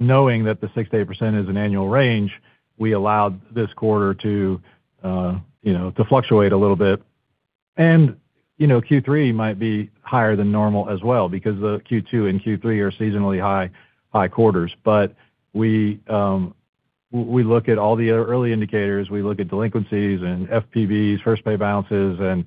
Knowing that the 6% to 8% is an annual range, we allowed this quarter to fluctuate a little bit. Q3 might be higher than normal as well because the Q2 and Q3 are seasonally high quarters. But we look at all the early indicators, we look at delinquencies and FPVs, first pay balances, and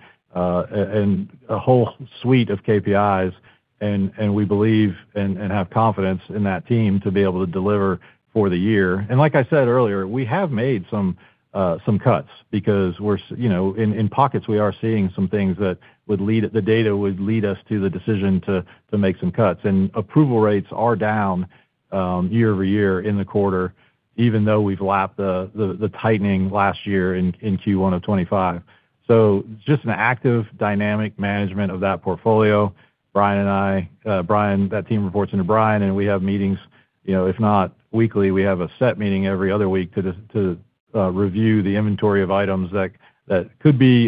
a whole suite of KPIs, and we believe and have confidence in that team to be able to deliver for the year. Like I said earlier, we have made some cuts because in pockets, we are seeing some things that the data would lead us to the decision to make some cuts. Approval rates are down year-over-year in the quarter, even though we've lapped the tightening last year in Q1 of 2025. Just an active dynamic management of that portfolio. Brian and I. That team reports into Brian, and we have meetings, if not weekly, we have a set meeting every other week to review the inventory of items that could be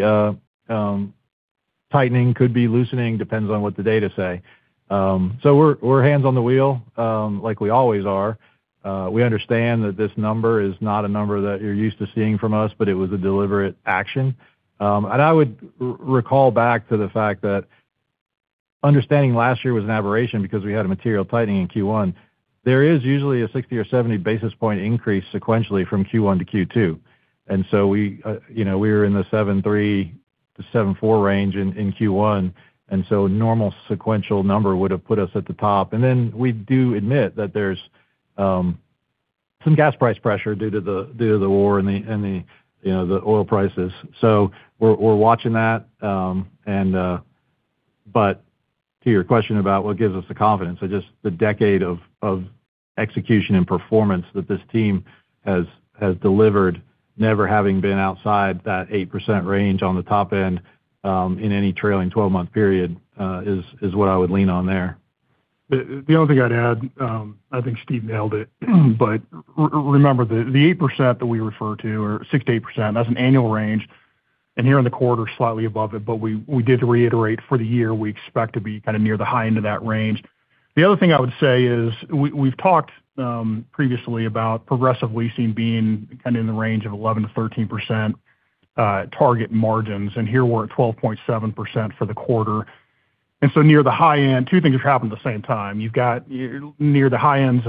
tightening, could be loosening, depends on what the data say. We're hands on the wheel, like we always are. We understand that this number is not a number that you're used to seeing from us, but it was a deliberate action. I would recall back to the fact that understanding last year was an aberration because we had a material tightening in Q1. There is usually a 60 or 70 basis point increase sequentially from Q1 to Q2. We were in the 7.3%-7.4% range in Q1, and a normal sequential number would have put us at the top. We do admit that there's some gas price pressure due to the war and the oil prices. We're watching that. To your question about what gives us the confidence, just the decade of execution and performance that this team has delivered, never having been outside that 8% range on the top end, in any trailing 12-month period, is what I would lean on there. The only thing I'd add, I think Steve nailed it. Remember, the 8% that we refer to, or 6%-8%, that's an annual range, and here in the quarter, slightly above it. We did reiterate for the year, we expect to be kind of near the high end of that range. The other thing I would say is we've talked previously about Progressive Leasing being kind of in the range of 11%-13% target margins. Here we're at 12.7% for the quarter. So near the high end, two things are happening at the same time. You've got near the high end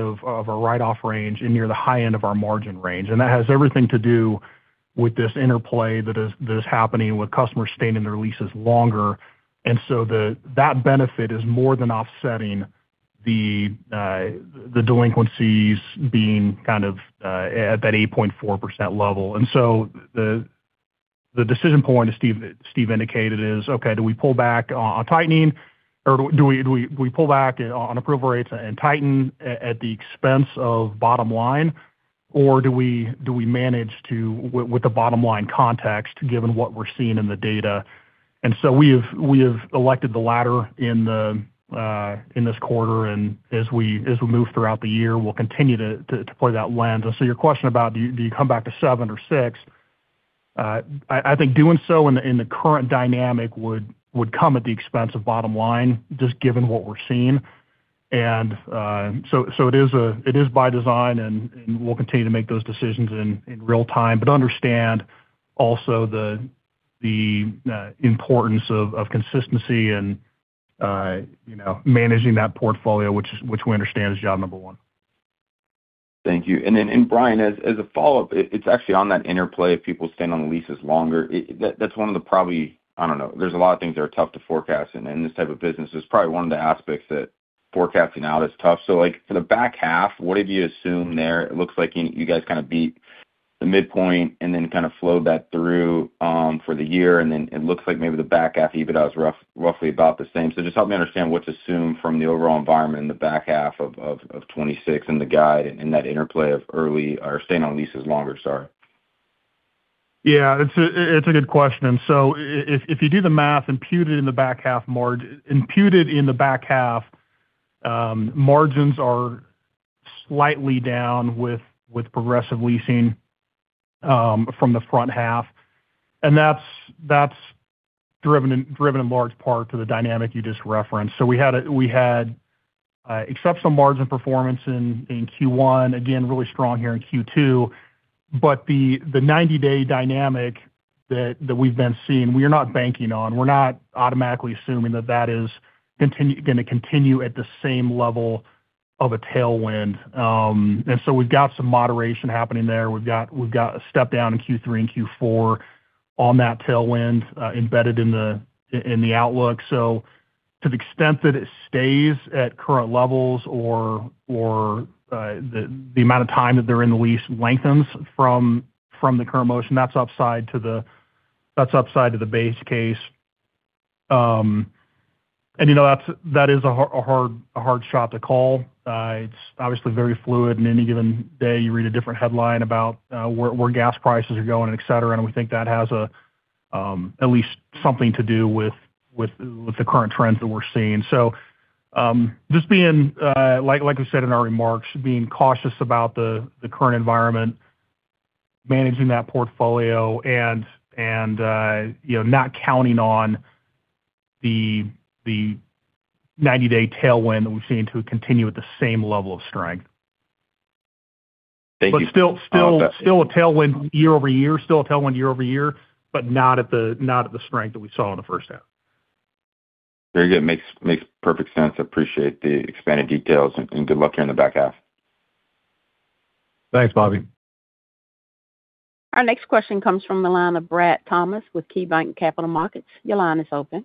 of a write-off range and near the high end of our margin range. That has everything to do with this interplay that is happening with customers staying in their leases longer. That benefit is more than offsetting the delinquencies being kind of at that 8.4% level. The decision point that Steve indicated is, okay, do we pull back on tightening, or do we pull back on approval rates and tighten at the expense of bottom line? Do we manage with the bottom line context, given what we're seeing in the data? We have elected the latter in this quarter, and as we move throughout the year, we'll continue to play that lens. Your question about do you come back to seven or six? I think doing so in the current dynamic would come at the expense of bottom line, just given what we're seeing. It is by design, and we'll continue to make those decisions in real-time. Understand also the importance of consistency and managing that portfolio, which we understand is job number one. Thank you. Brian, as a follow-up, it's actually on that interplay of people staying on the leases longer. That's one of the I don't know. There's a lot of things that are tough to forecast in this type of business. It's probably one of the aspects that forecasting out is tough. For the back half, what did you assume there? It looks like you guys kind of beat the midpoint and then kind of flowed that through for the year, and then it looks like maybe the back half EBITDA was roughly about the same. Just help me understand what to assume from the overall environment in the back half of 2026 and the guide and that interplay of staying on leases longer. Sorry. Yeah. It's a good question. If you do the math, imputed in the back half margins are slightly down with Progressive Leasing, from the front half, and that's driven in large part to the dynamic you just referenced. We had exceptional margin performance in Q1. Again, really strong here in Q2. The 90-day dynamic that we've been seeing, we are not banking on. We're not automatically assuming that that is going to continue at the same level of a tailwind. We've got some moderation happening there. We've got a step down in Q3 and Q4 on that tailwind embedded in the outlook. To the extent that it stays at current levels or the amount of time that they're in the lease lengthens from the current motion, that's upside to the base case. That is a hard shot to call. It's obviously very fluid, any given day you read a different headline about where gas prices are going, et cetera, we think that has at least something to do with the current trends that we're seeing. Just being, like we said in our remarks, being cautious about the current environment, managing that portfolio and not counting on the 90-day tailwind that we've seen to continue at the same level of strength. Thank you. Still a tailwind year-over-year, not at the strength that we saw in the first half. Very good. Makes perfect sense. Appreciate the expanded details, good luck here in the back half. Thanks, Bobby. Our next question comes from the line of Brad Thomas with KeyBanc Capital Markets. Your line is open.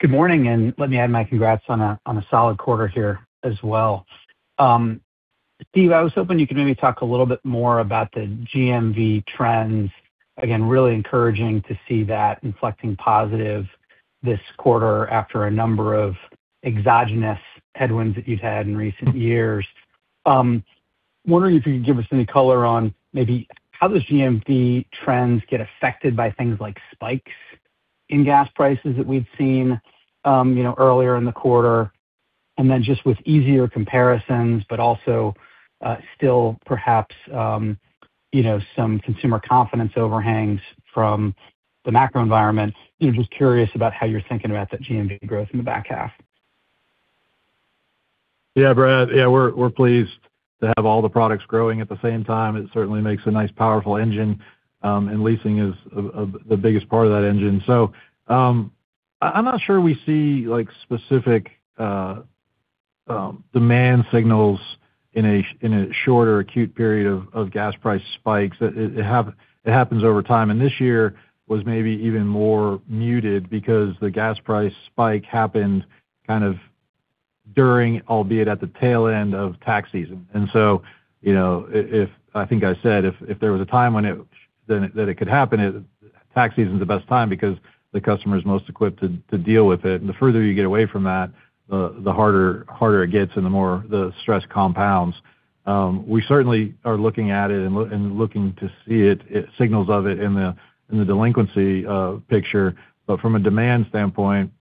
Good morning. Let me add my congrats on a solid quarter here as well. Steve, I was hoping you could maybe talk a little bit more about the GMV trends. Really encouraging to see that inflecting positive this quarter after a number of exogenous headwinds that you've had in recent years. I was wondering if you could give us any color on maybe how those GMV trends get affected by things like spikes in gas prices that we've seen earlier in the quarter, then just with easier comparisons, but also still perhaps some consumer confidence overhangs from the macro environment. I am just curious about how you're thinking about that GMV growth in the back half. Brad. We're pleased to have all the products growing at the same time. It certainly makes a nice, powerful engine, leasing is the biggest part of that engine. I'm not sure we see specific demand signals in a short or acute period of gas price spikes. It happens over time. This year was maybe even more muted because the gas price spike happened kind of during, albeit at the tail end of tax season. I think I said, if there was a time when that it could happen, tax season is the best time because the customer is most equipped to deal with it. The further you get away from that, the harder it gets and the more the stress compounds. We certainly are looking at it and looking to see it, signals of it in the delinquency picture. From a demand standpoint,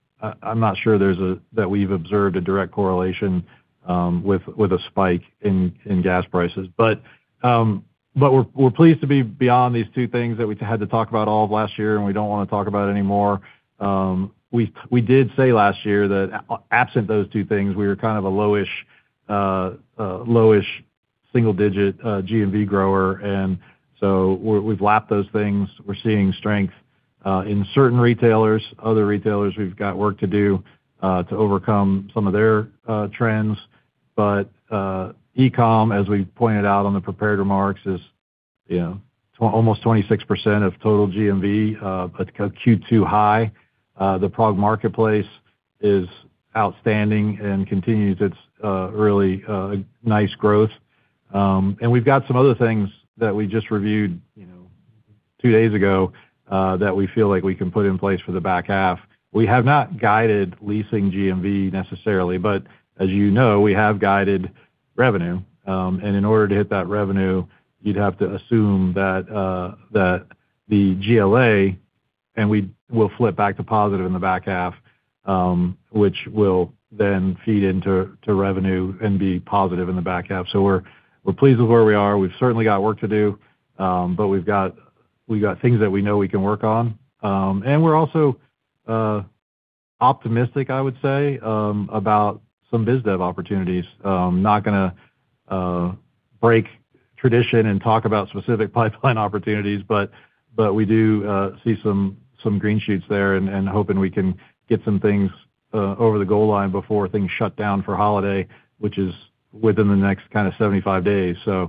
I'm not sure that we've observed a direct correlation with a spike in gas prices. We're pleased to be beyond these two things that we had to talk about all of last year, and we don't want to talk about it anymore. We did say last year that absent those two things, we were kind of a lowish single-digit GMV grower. We've lapped those things. We're seeing strength in certain retailers. Other retailers, we've got work to do to overcome some of their trends. E-com, as we pointed out on the prepared remarks, is almost 26% of total GMV, a Q2 high. The PROG Marketplace is outstanding and continues its really nice growth. We've got some other things that we just reviewed two days ago that we feel like we can put in place for the back half. We have not guided leasing GMV necessarily, but as you know, we have guided revenue. In order to hit that revenue, you'd have to assume that the GLA, and we will flip back to positive in the back half, which will then feed into revenue and be positive in the back half. We're pleased with where we are. We've certainly got work to do. We've got things that we know we can work on. We're also optimistic, I would say, about some biz dev opportunities. We are not going to break tradition and talk about specific pipeline opportunities, but we do see some green shoots there and hoping we can get some things over the goal line before things shut down for holiday, which is within the next kind of 75 days. We're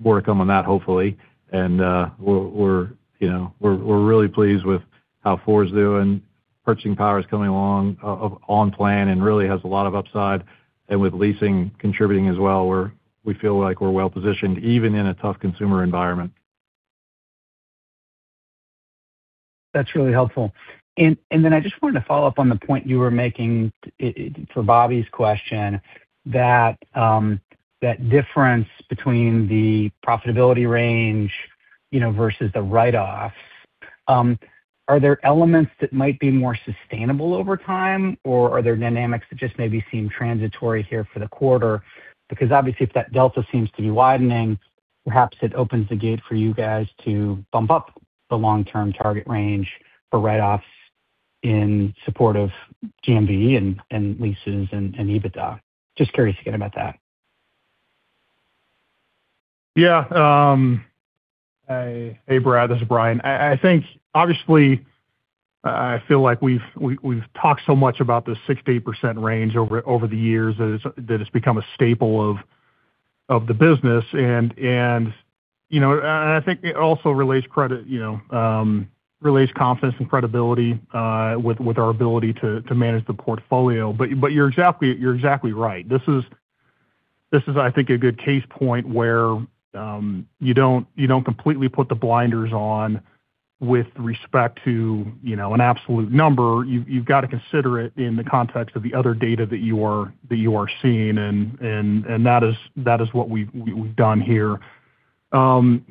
working on that hopefully. We're really pleased with how FOUR's doing. Purchasing Power is coming along on plan. Really has a lot of upside. With leasing contributing as well, we feel like we're well-positioned even in a tough consumer environment. That's really helpful. I just wanted to follow up on the point you were making for Bobby's question, that difference between the profitability range versus the write-offs. Are there elements that might be more sustainable over time, or are there dynamics that just maybe seem transitory here for the quarter? Obviously, if that delta seems to be widening, perhaps it opens the gate for you guys to bump up the long-term target range for write-offs in support of GMV and leases and EBITDA. Just curious again about that. Yeah. Hey, Brad, this is Brian. I think obviously, I feel like we've talked so much about this 6%-8% range over the years that it's become a staple of the business. I think it also relays confidence and credibility with our ability to manage the portfolio. You're exactly right. This is I think a good case point where you don't completely put the blinders on with respect to an absolute number. You've got to consider it in the context of the other data that you are seeing, and that is what we've done here. Moving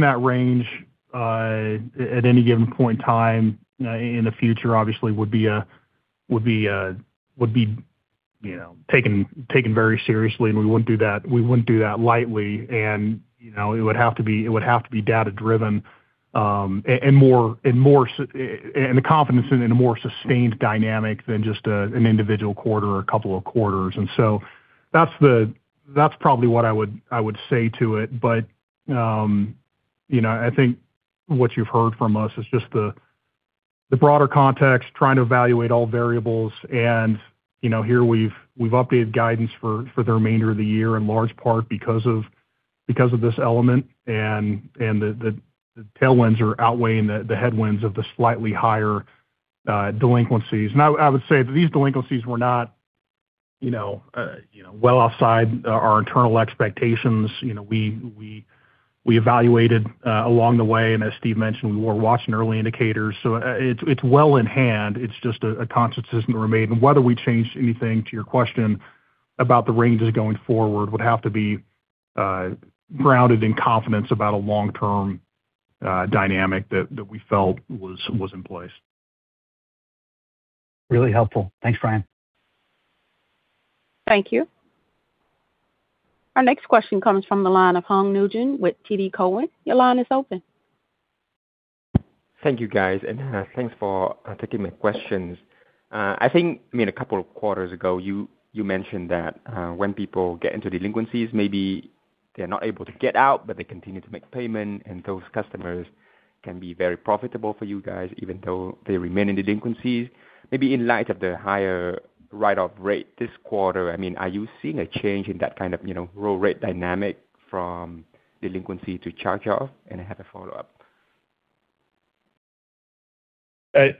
that range at any given point in time in the future obviously would be taken very seriously, and we wouldn't do that lightly. It would have to be data-driven and the confidence in a more sustained dynamic than just an individual quarter or a couple of quarters. And so that's probably what I would say to it. I think what you've heard from us is just the broader context, trying to evaluate all variables. Here we've updated guidance for the remainder of the year, in large part because of this element, and the tailwinds are outweighing the headwinds of the slightly higher delinquencies. I would say that these delinquencies were not well outside our internal expectations. We evaluated along the way, and as Steve mentioned, we were watching early indicators. It's well in hand. It's just a constant system that we're made. Whether we change anything, to your question about the ranges going forward, would have to be grounded in confidence about a long-term dynamic that we felt was in place. Really helpful. Thanks, Brian. Thank you. Our next question comes from the line of Hoang Nguyen with TD Cowen. Your line is open. Thank you, guys, and thanks for taking my questions. I think a couple of quarters ago, you mentioned that when people get into delinquencies, maybe they're not able to get out, but they continue to make payment, and those customers can be very profitable for you guys, even though they remain in delinquencies. Maybe in light of the higher write-off rate this quarter, are you seeing a change in that kind of roll rate dynamic from delinquency to charge-off? I have a follow-up. It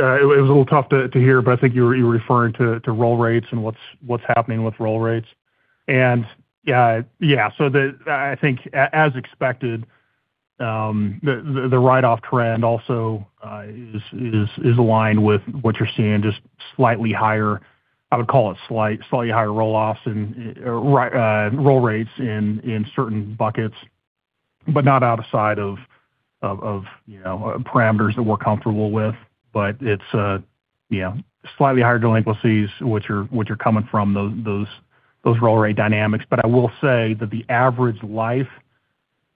was a little tough to hear, but I think you were referring to roll rates and what's happening with roll rates. Yeah. I think, as expected, the write-off trend also is aligned with what you're seeing, just slightly higher. I would call it slightly higher roll-offs and roll rates in certain buckets, but not outside of parameters that we're comfortable with. It's slightly higher delinquencies, which are coming from those roll rate dynamics. I will say that the average life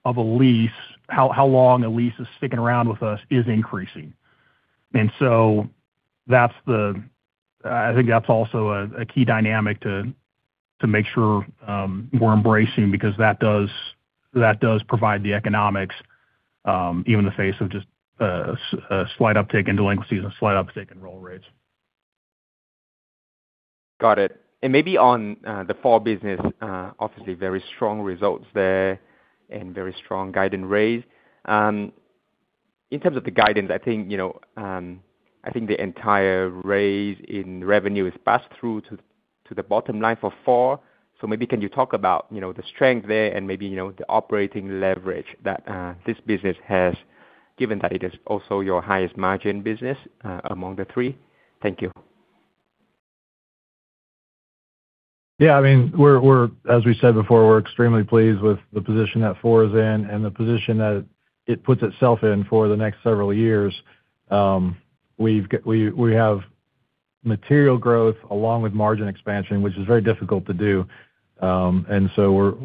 of a lease, how long a lease is sticking around with us, is increasing. I think that's also a key dynamic to make sure we're embracing because that does provide the economics, even in the face of just a slight uptick in delinquencies and a slight uptick in roll rates. Got it. Maybe on the Four business, obviously very strong results there and very strong guidance raise. In terms of the guidance, I think the entire raise in revenue is passed through to the bottom line for Four. Maybe can you talk about the strength there and maybe the operating leverage that this business has, given that it is also your highest margin business among the three? Thank you. Yeah. As we said before, we're extremely pleased with the position that Four is in and the position that it puts itself in for the next several years. We have material growth along with margin expansion, which is very difficult to do. We're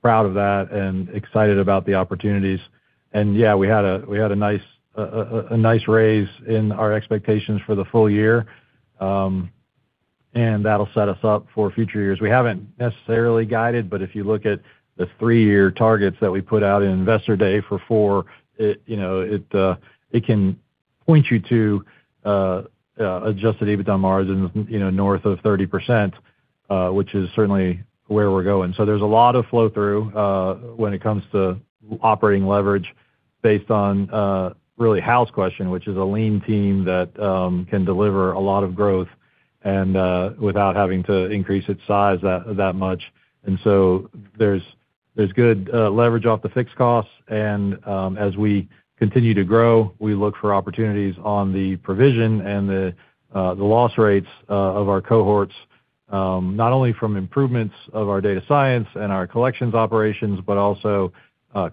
proud of that and excited about the opportunities. Yeah, we had a nice raise in our expectations for the full year. That'll set us up for future years. We haven't necessarily guided, but if you look at the three-year targets that we put out in Investor Day for Four, it can point you to adjusted EBITDA margins north of 30%, which is certainly where we're going. There's a lot of flow-through when it comes to operating leverage based on really Hal's question, which is a lean team that can deliver a lot of growth and without having to increase its size that much. There's good leverage off the fixed costs, and as we continue to grow, we look for opportunities on the provision and the loss rates of our cohorts. Not only from improvements of our data science and our collections operations, but also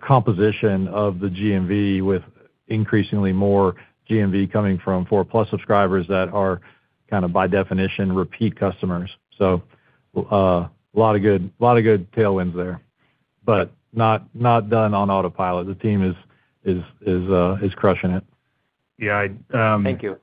composition of the GMV, with increasingly more GMV coming from Four+ subscribers that are by definition repeat customers. A lot of good tailwinds there, but not done on autopilot. The team is crushing it. Yeah. Thank you.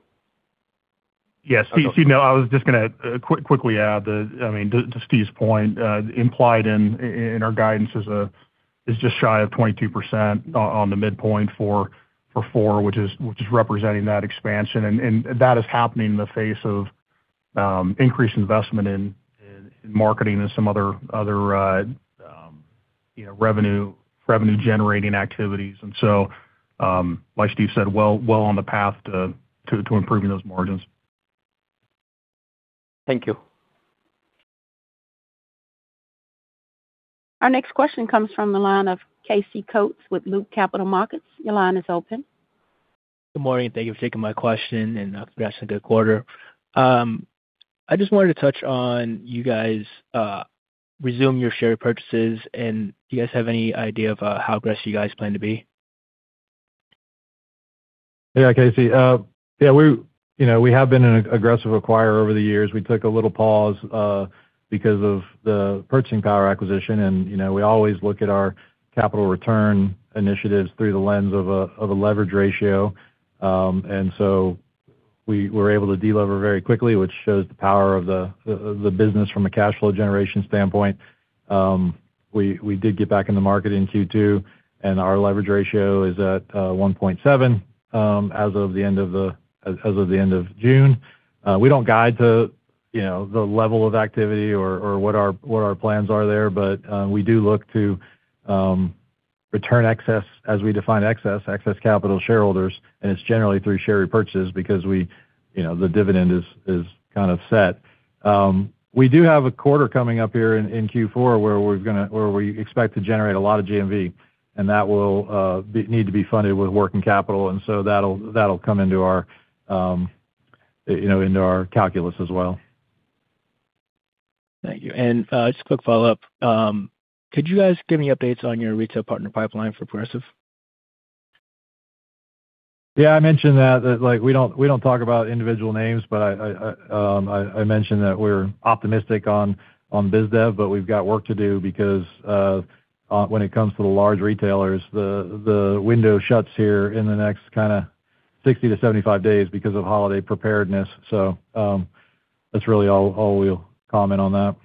Yeah, Steve. I was just going to quickly add to Steve's point, implied in our guidance is just shy of 22% on the midpoint for Four, which is representing that expansion. That is happening in the face of increased investment in marketing and some other revenue-generating activities. So, like Steve said, well on the path to improving those margins. Thank you. Our next question comes from the line of Casey Coates with Loop Capital Markets. Your line is open. Good morning. Thank you for taking my question, and congrats on a good quarter. Do you guys have any idea of how aggressive you guys plan to be? Yeah, Casey. We have been an aggressive acquirer over the years. We took a little pause because of the Purchasing Power acquisition, we always look at our capital return initiatives through the lens of a leverage ratio. We were able to de-lever very quickly, which shows the power of the business from a cash flow generation standpoint. We did get back in the market in Q2, our leverage ratio is at 1.7x as of the end of June. We don't guide to the level of activity or what our plans are there. We do look to return excess as we define excess capital shareholders, it's generally through share repurchases because the dividend is kind of set. We do have a quarter coming up here in Q4 where we expect to generate a lot of GMV, that will need to be funded with working capital, that'll come into our calculus as well. Thank you. Just a quick follow-up. Could you guys give me updates on your retail partner pipeline for Progressive? Yeah, I mentioned that. We don't talk about individual names, I mentioned that we're optimistic on biz dev, but we've got work to do because when it comes to the large retailers, the window shuts here in the next kind of 60 to 75 days because of holiday preparedness. That's really all we'll comment on that.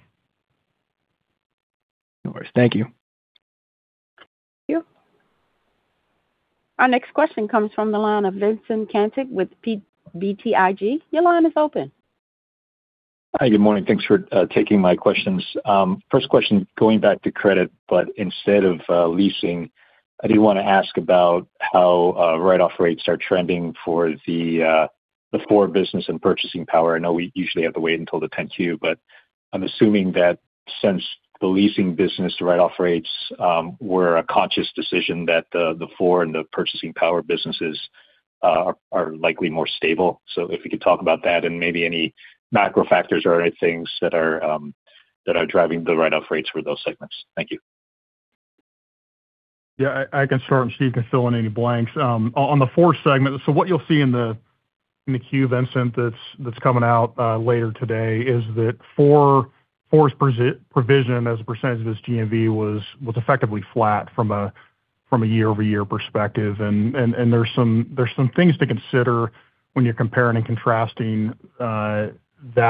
No worries. Thank you. Thank you. Our next question comes from the line of Vincent Caintic with BTIG. Your line is open. Hi. Good morning. Thanks for taking my questions. First question, going back to credit, instead of leasing, I do want to ask about how write-off rates are trending for the Four business and Purchasing Power. I know we usually have to wait until the 10-Q, I'm assuming that since the leasing business write-off rates were a conscious decision that the Four and the Purchasing Power businesses are likely more stable. If you could talk about that and maybe any macro factors or any things that are driving the write-off rates for those segments. Thank you. Yeah, I can start, Steve can fill in any blanks. On the Four segment, what you'll see in the 10-Q, Vincent, that's coming out later today is that Four's provision as a percentage of its GMV was effectively flat from a year-over-year perspective. There's some things to consider when you're comparing and contrasting that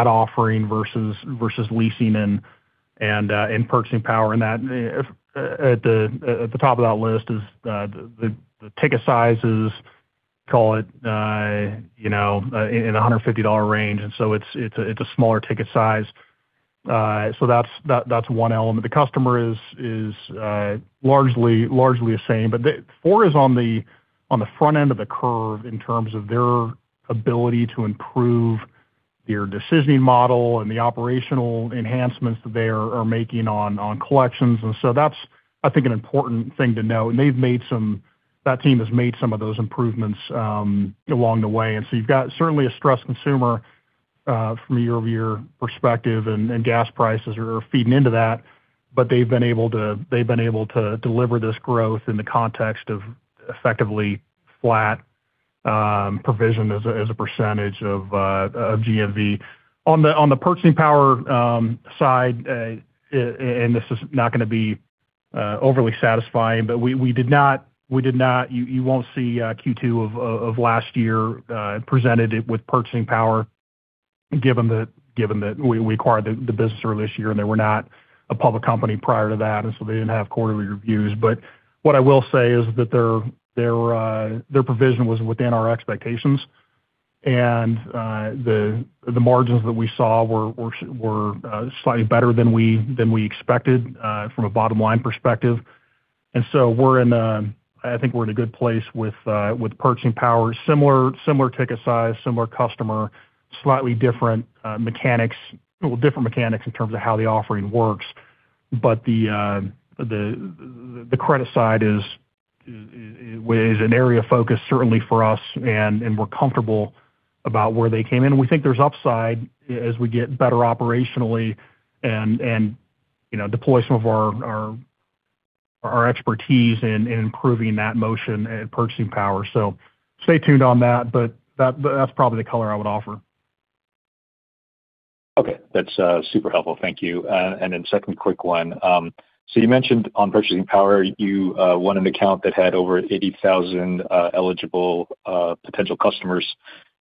offering versus Progressive Leasing and Purchasing Power. At the top of that list is the ticket size is, call it, in the $150 range. It's a smaller ticket size. That's one element. The customer is largely the same. Four is on the front end of the curve in terms of their ability to improve their decisioning model and the operational enhancements that they are making on collections. That's, I think, an important thing to note. That team has made some of those improvements along the way. You've got certainly a stressed consumer from a year-over-year perspective, and gas prices are feeding into that. They've been able to deliver this growth in the context of effectively flat provision as a percentage of GMV. On the Purchasing Power side, this is not going to be overly satisfying, but you won't see Q2 of last year presented with Purchasing Power given that we acquired the business early this year, and they were not a public company prior to that, they didn't have quarterly reviews. What I will say is that their provision was within our expectations. The margins that we saw were slightly better than we expected from a bottom-line perspective. I think we're in a good place with Purchasing Power. Similar ticket size, similar customer, slightly different mechanics. Well, different mechanics in terms of how the offering works. The credit side is an area of focus certainly for us, and we're comfortable about where they came in. We think there's upside as we get better operationally and deploy some of our expertise in improving that motion and Purchasing Power. Stay tuned on that, but that's probably the color I would offer. Okay. That's super helpful. Thank you. Second quick one. You mentioned on Purchasing Power, you won an account that had over 80,000 eligible potential customers.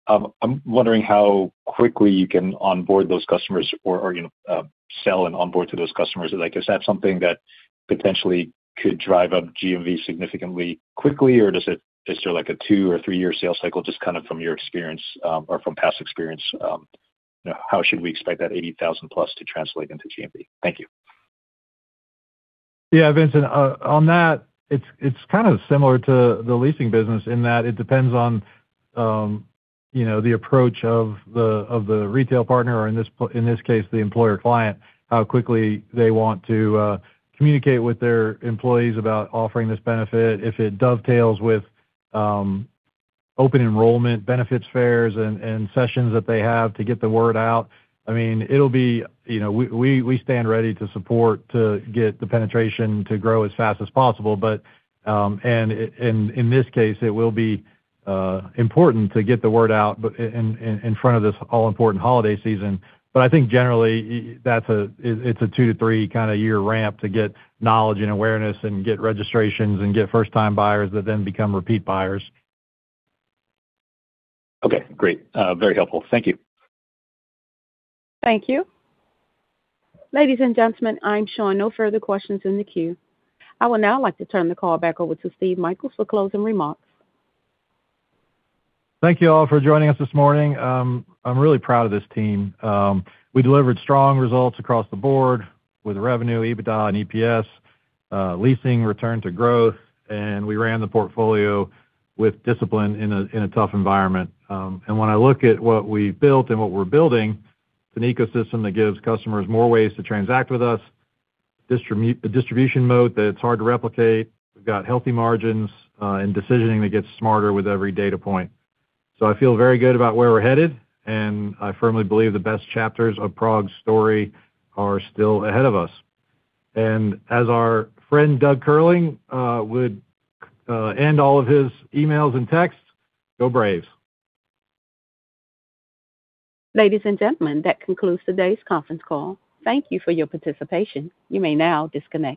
I'm wondering how quickly you can onboard those customers or sell and onboard to those customers. Is that something that potentially could drive up GMV significantly quickly, or is there like a two or three-year sales cycle, just from your experience or from past experience? How should we expect that 80,000 plus to translate into GMV? Thank you. Yeah, Vincent. On that, it's kind of similar to the leasing business in that it depends on the approach of the retail partner or in this case, the employer client, how quickly they want to communicate with their employees about offering this benefit. If it dovetails with open enrollment benefits fairs and sessions that they have to get the word out. We stand ready to support to get the penetration to grow as fast as possible. In this case, it will be important to get the word out in front of this all-important holiday season. I think generally it's a two to three-year ramp to get knowledge and awareness and get registrations and get first-time buyers that then become repeat buyers. Okay, great. Very helpful. Thank you. Thank you. Ladies and gentlemen, I'm showing no further questions in the queue. I would now like to turn the call back over to Steve Michaels for closing remarks. Thank you all for joining us this morning. I'm really proud of this team. We delivered strong results across the board with revenue, EBITDA, and EPS. Leasing returned to growth, and we ran the portfolio with discipline in a tough environment. When I look at what we've built and what we're building, it's an ecosystem that gives customers more ways to transact with us. A distribution mode that's hard to replicate. We've got healthy margins and decisioning that gets smarter with every data point. I feel very good about where we're headed, and I firmly believe the best chapters of PROG's story are still ahead of us. As our friend Doug Curling would end all of his emails and texts, go Braves. Ladies and gentlemen, that concludes today's conference call. Thank you for your participation. You may now disconnect.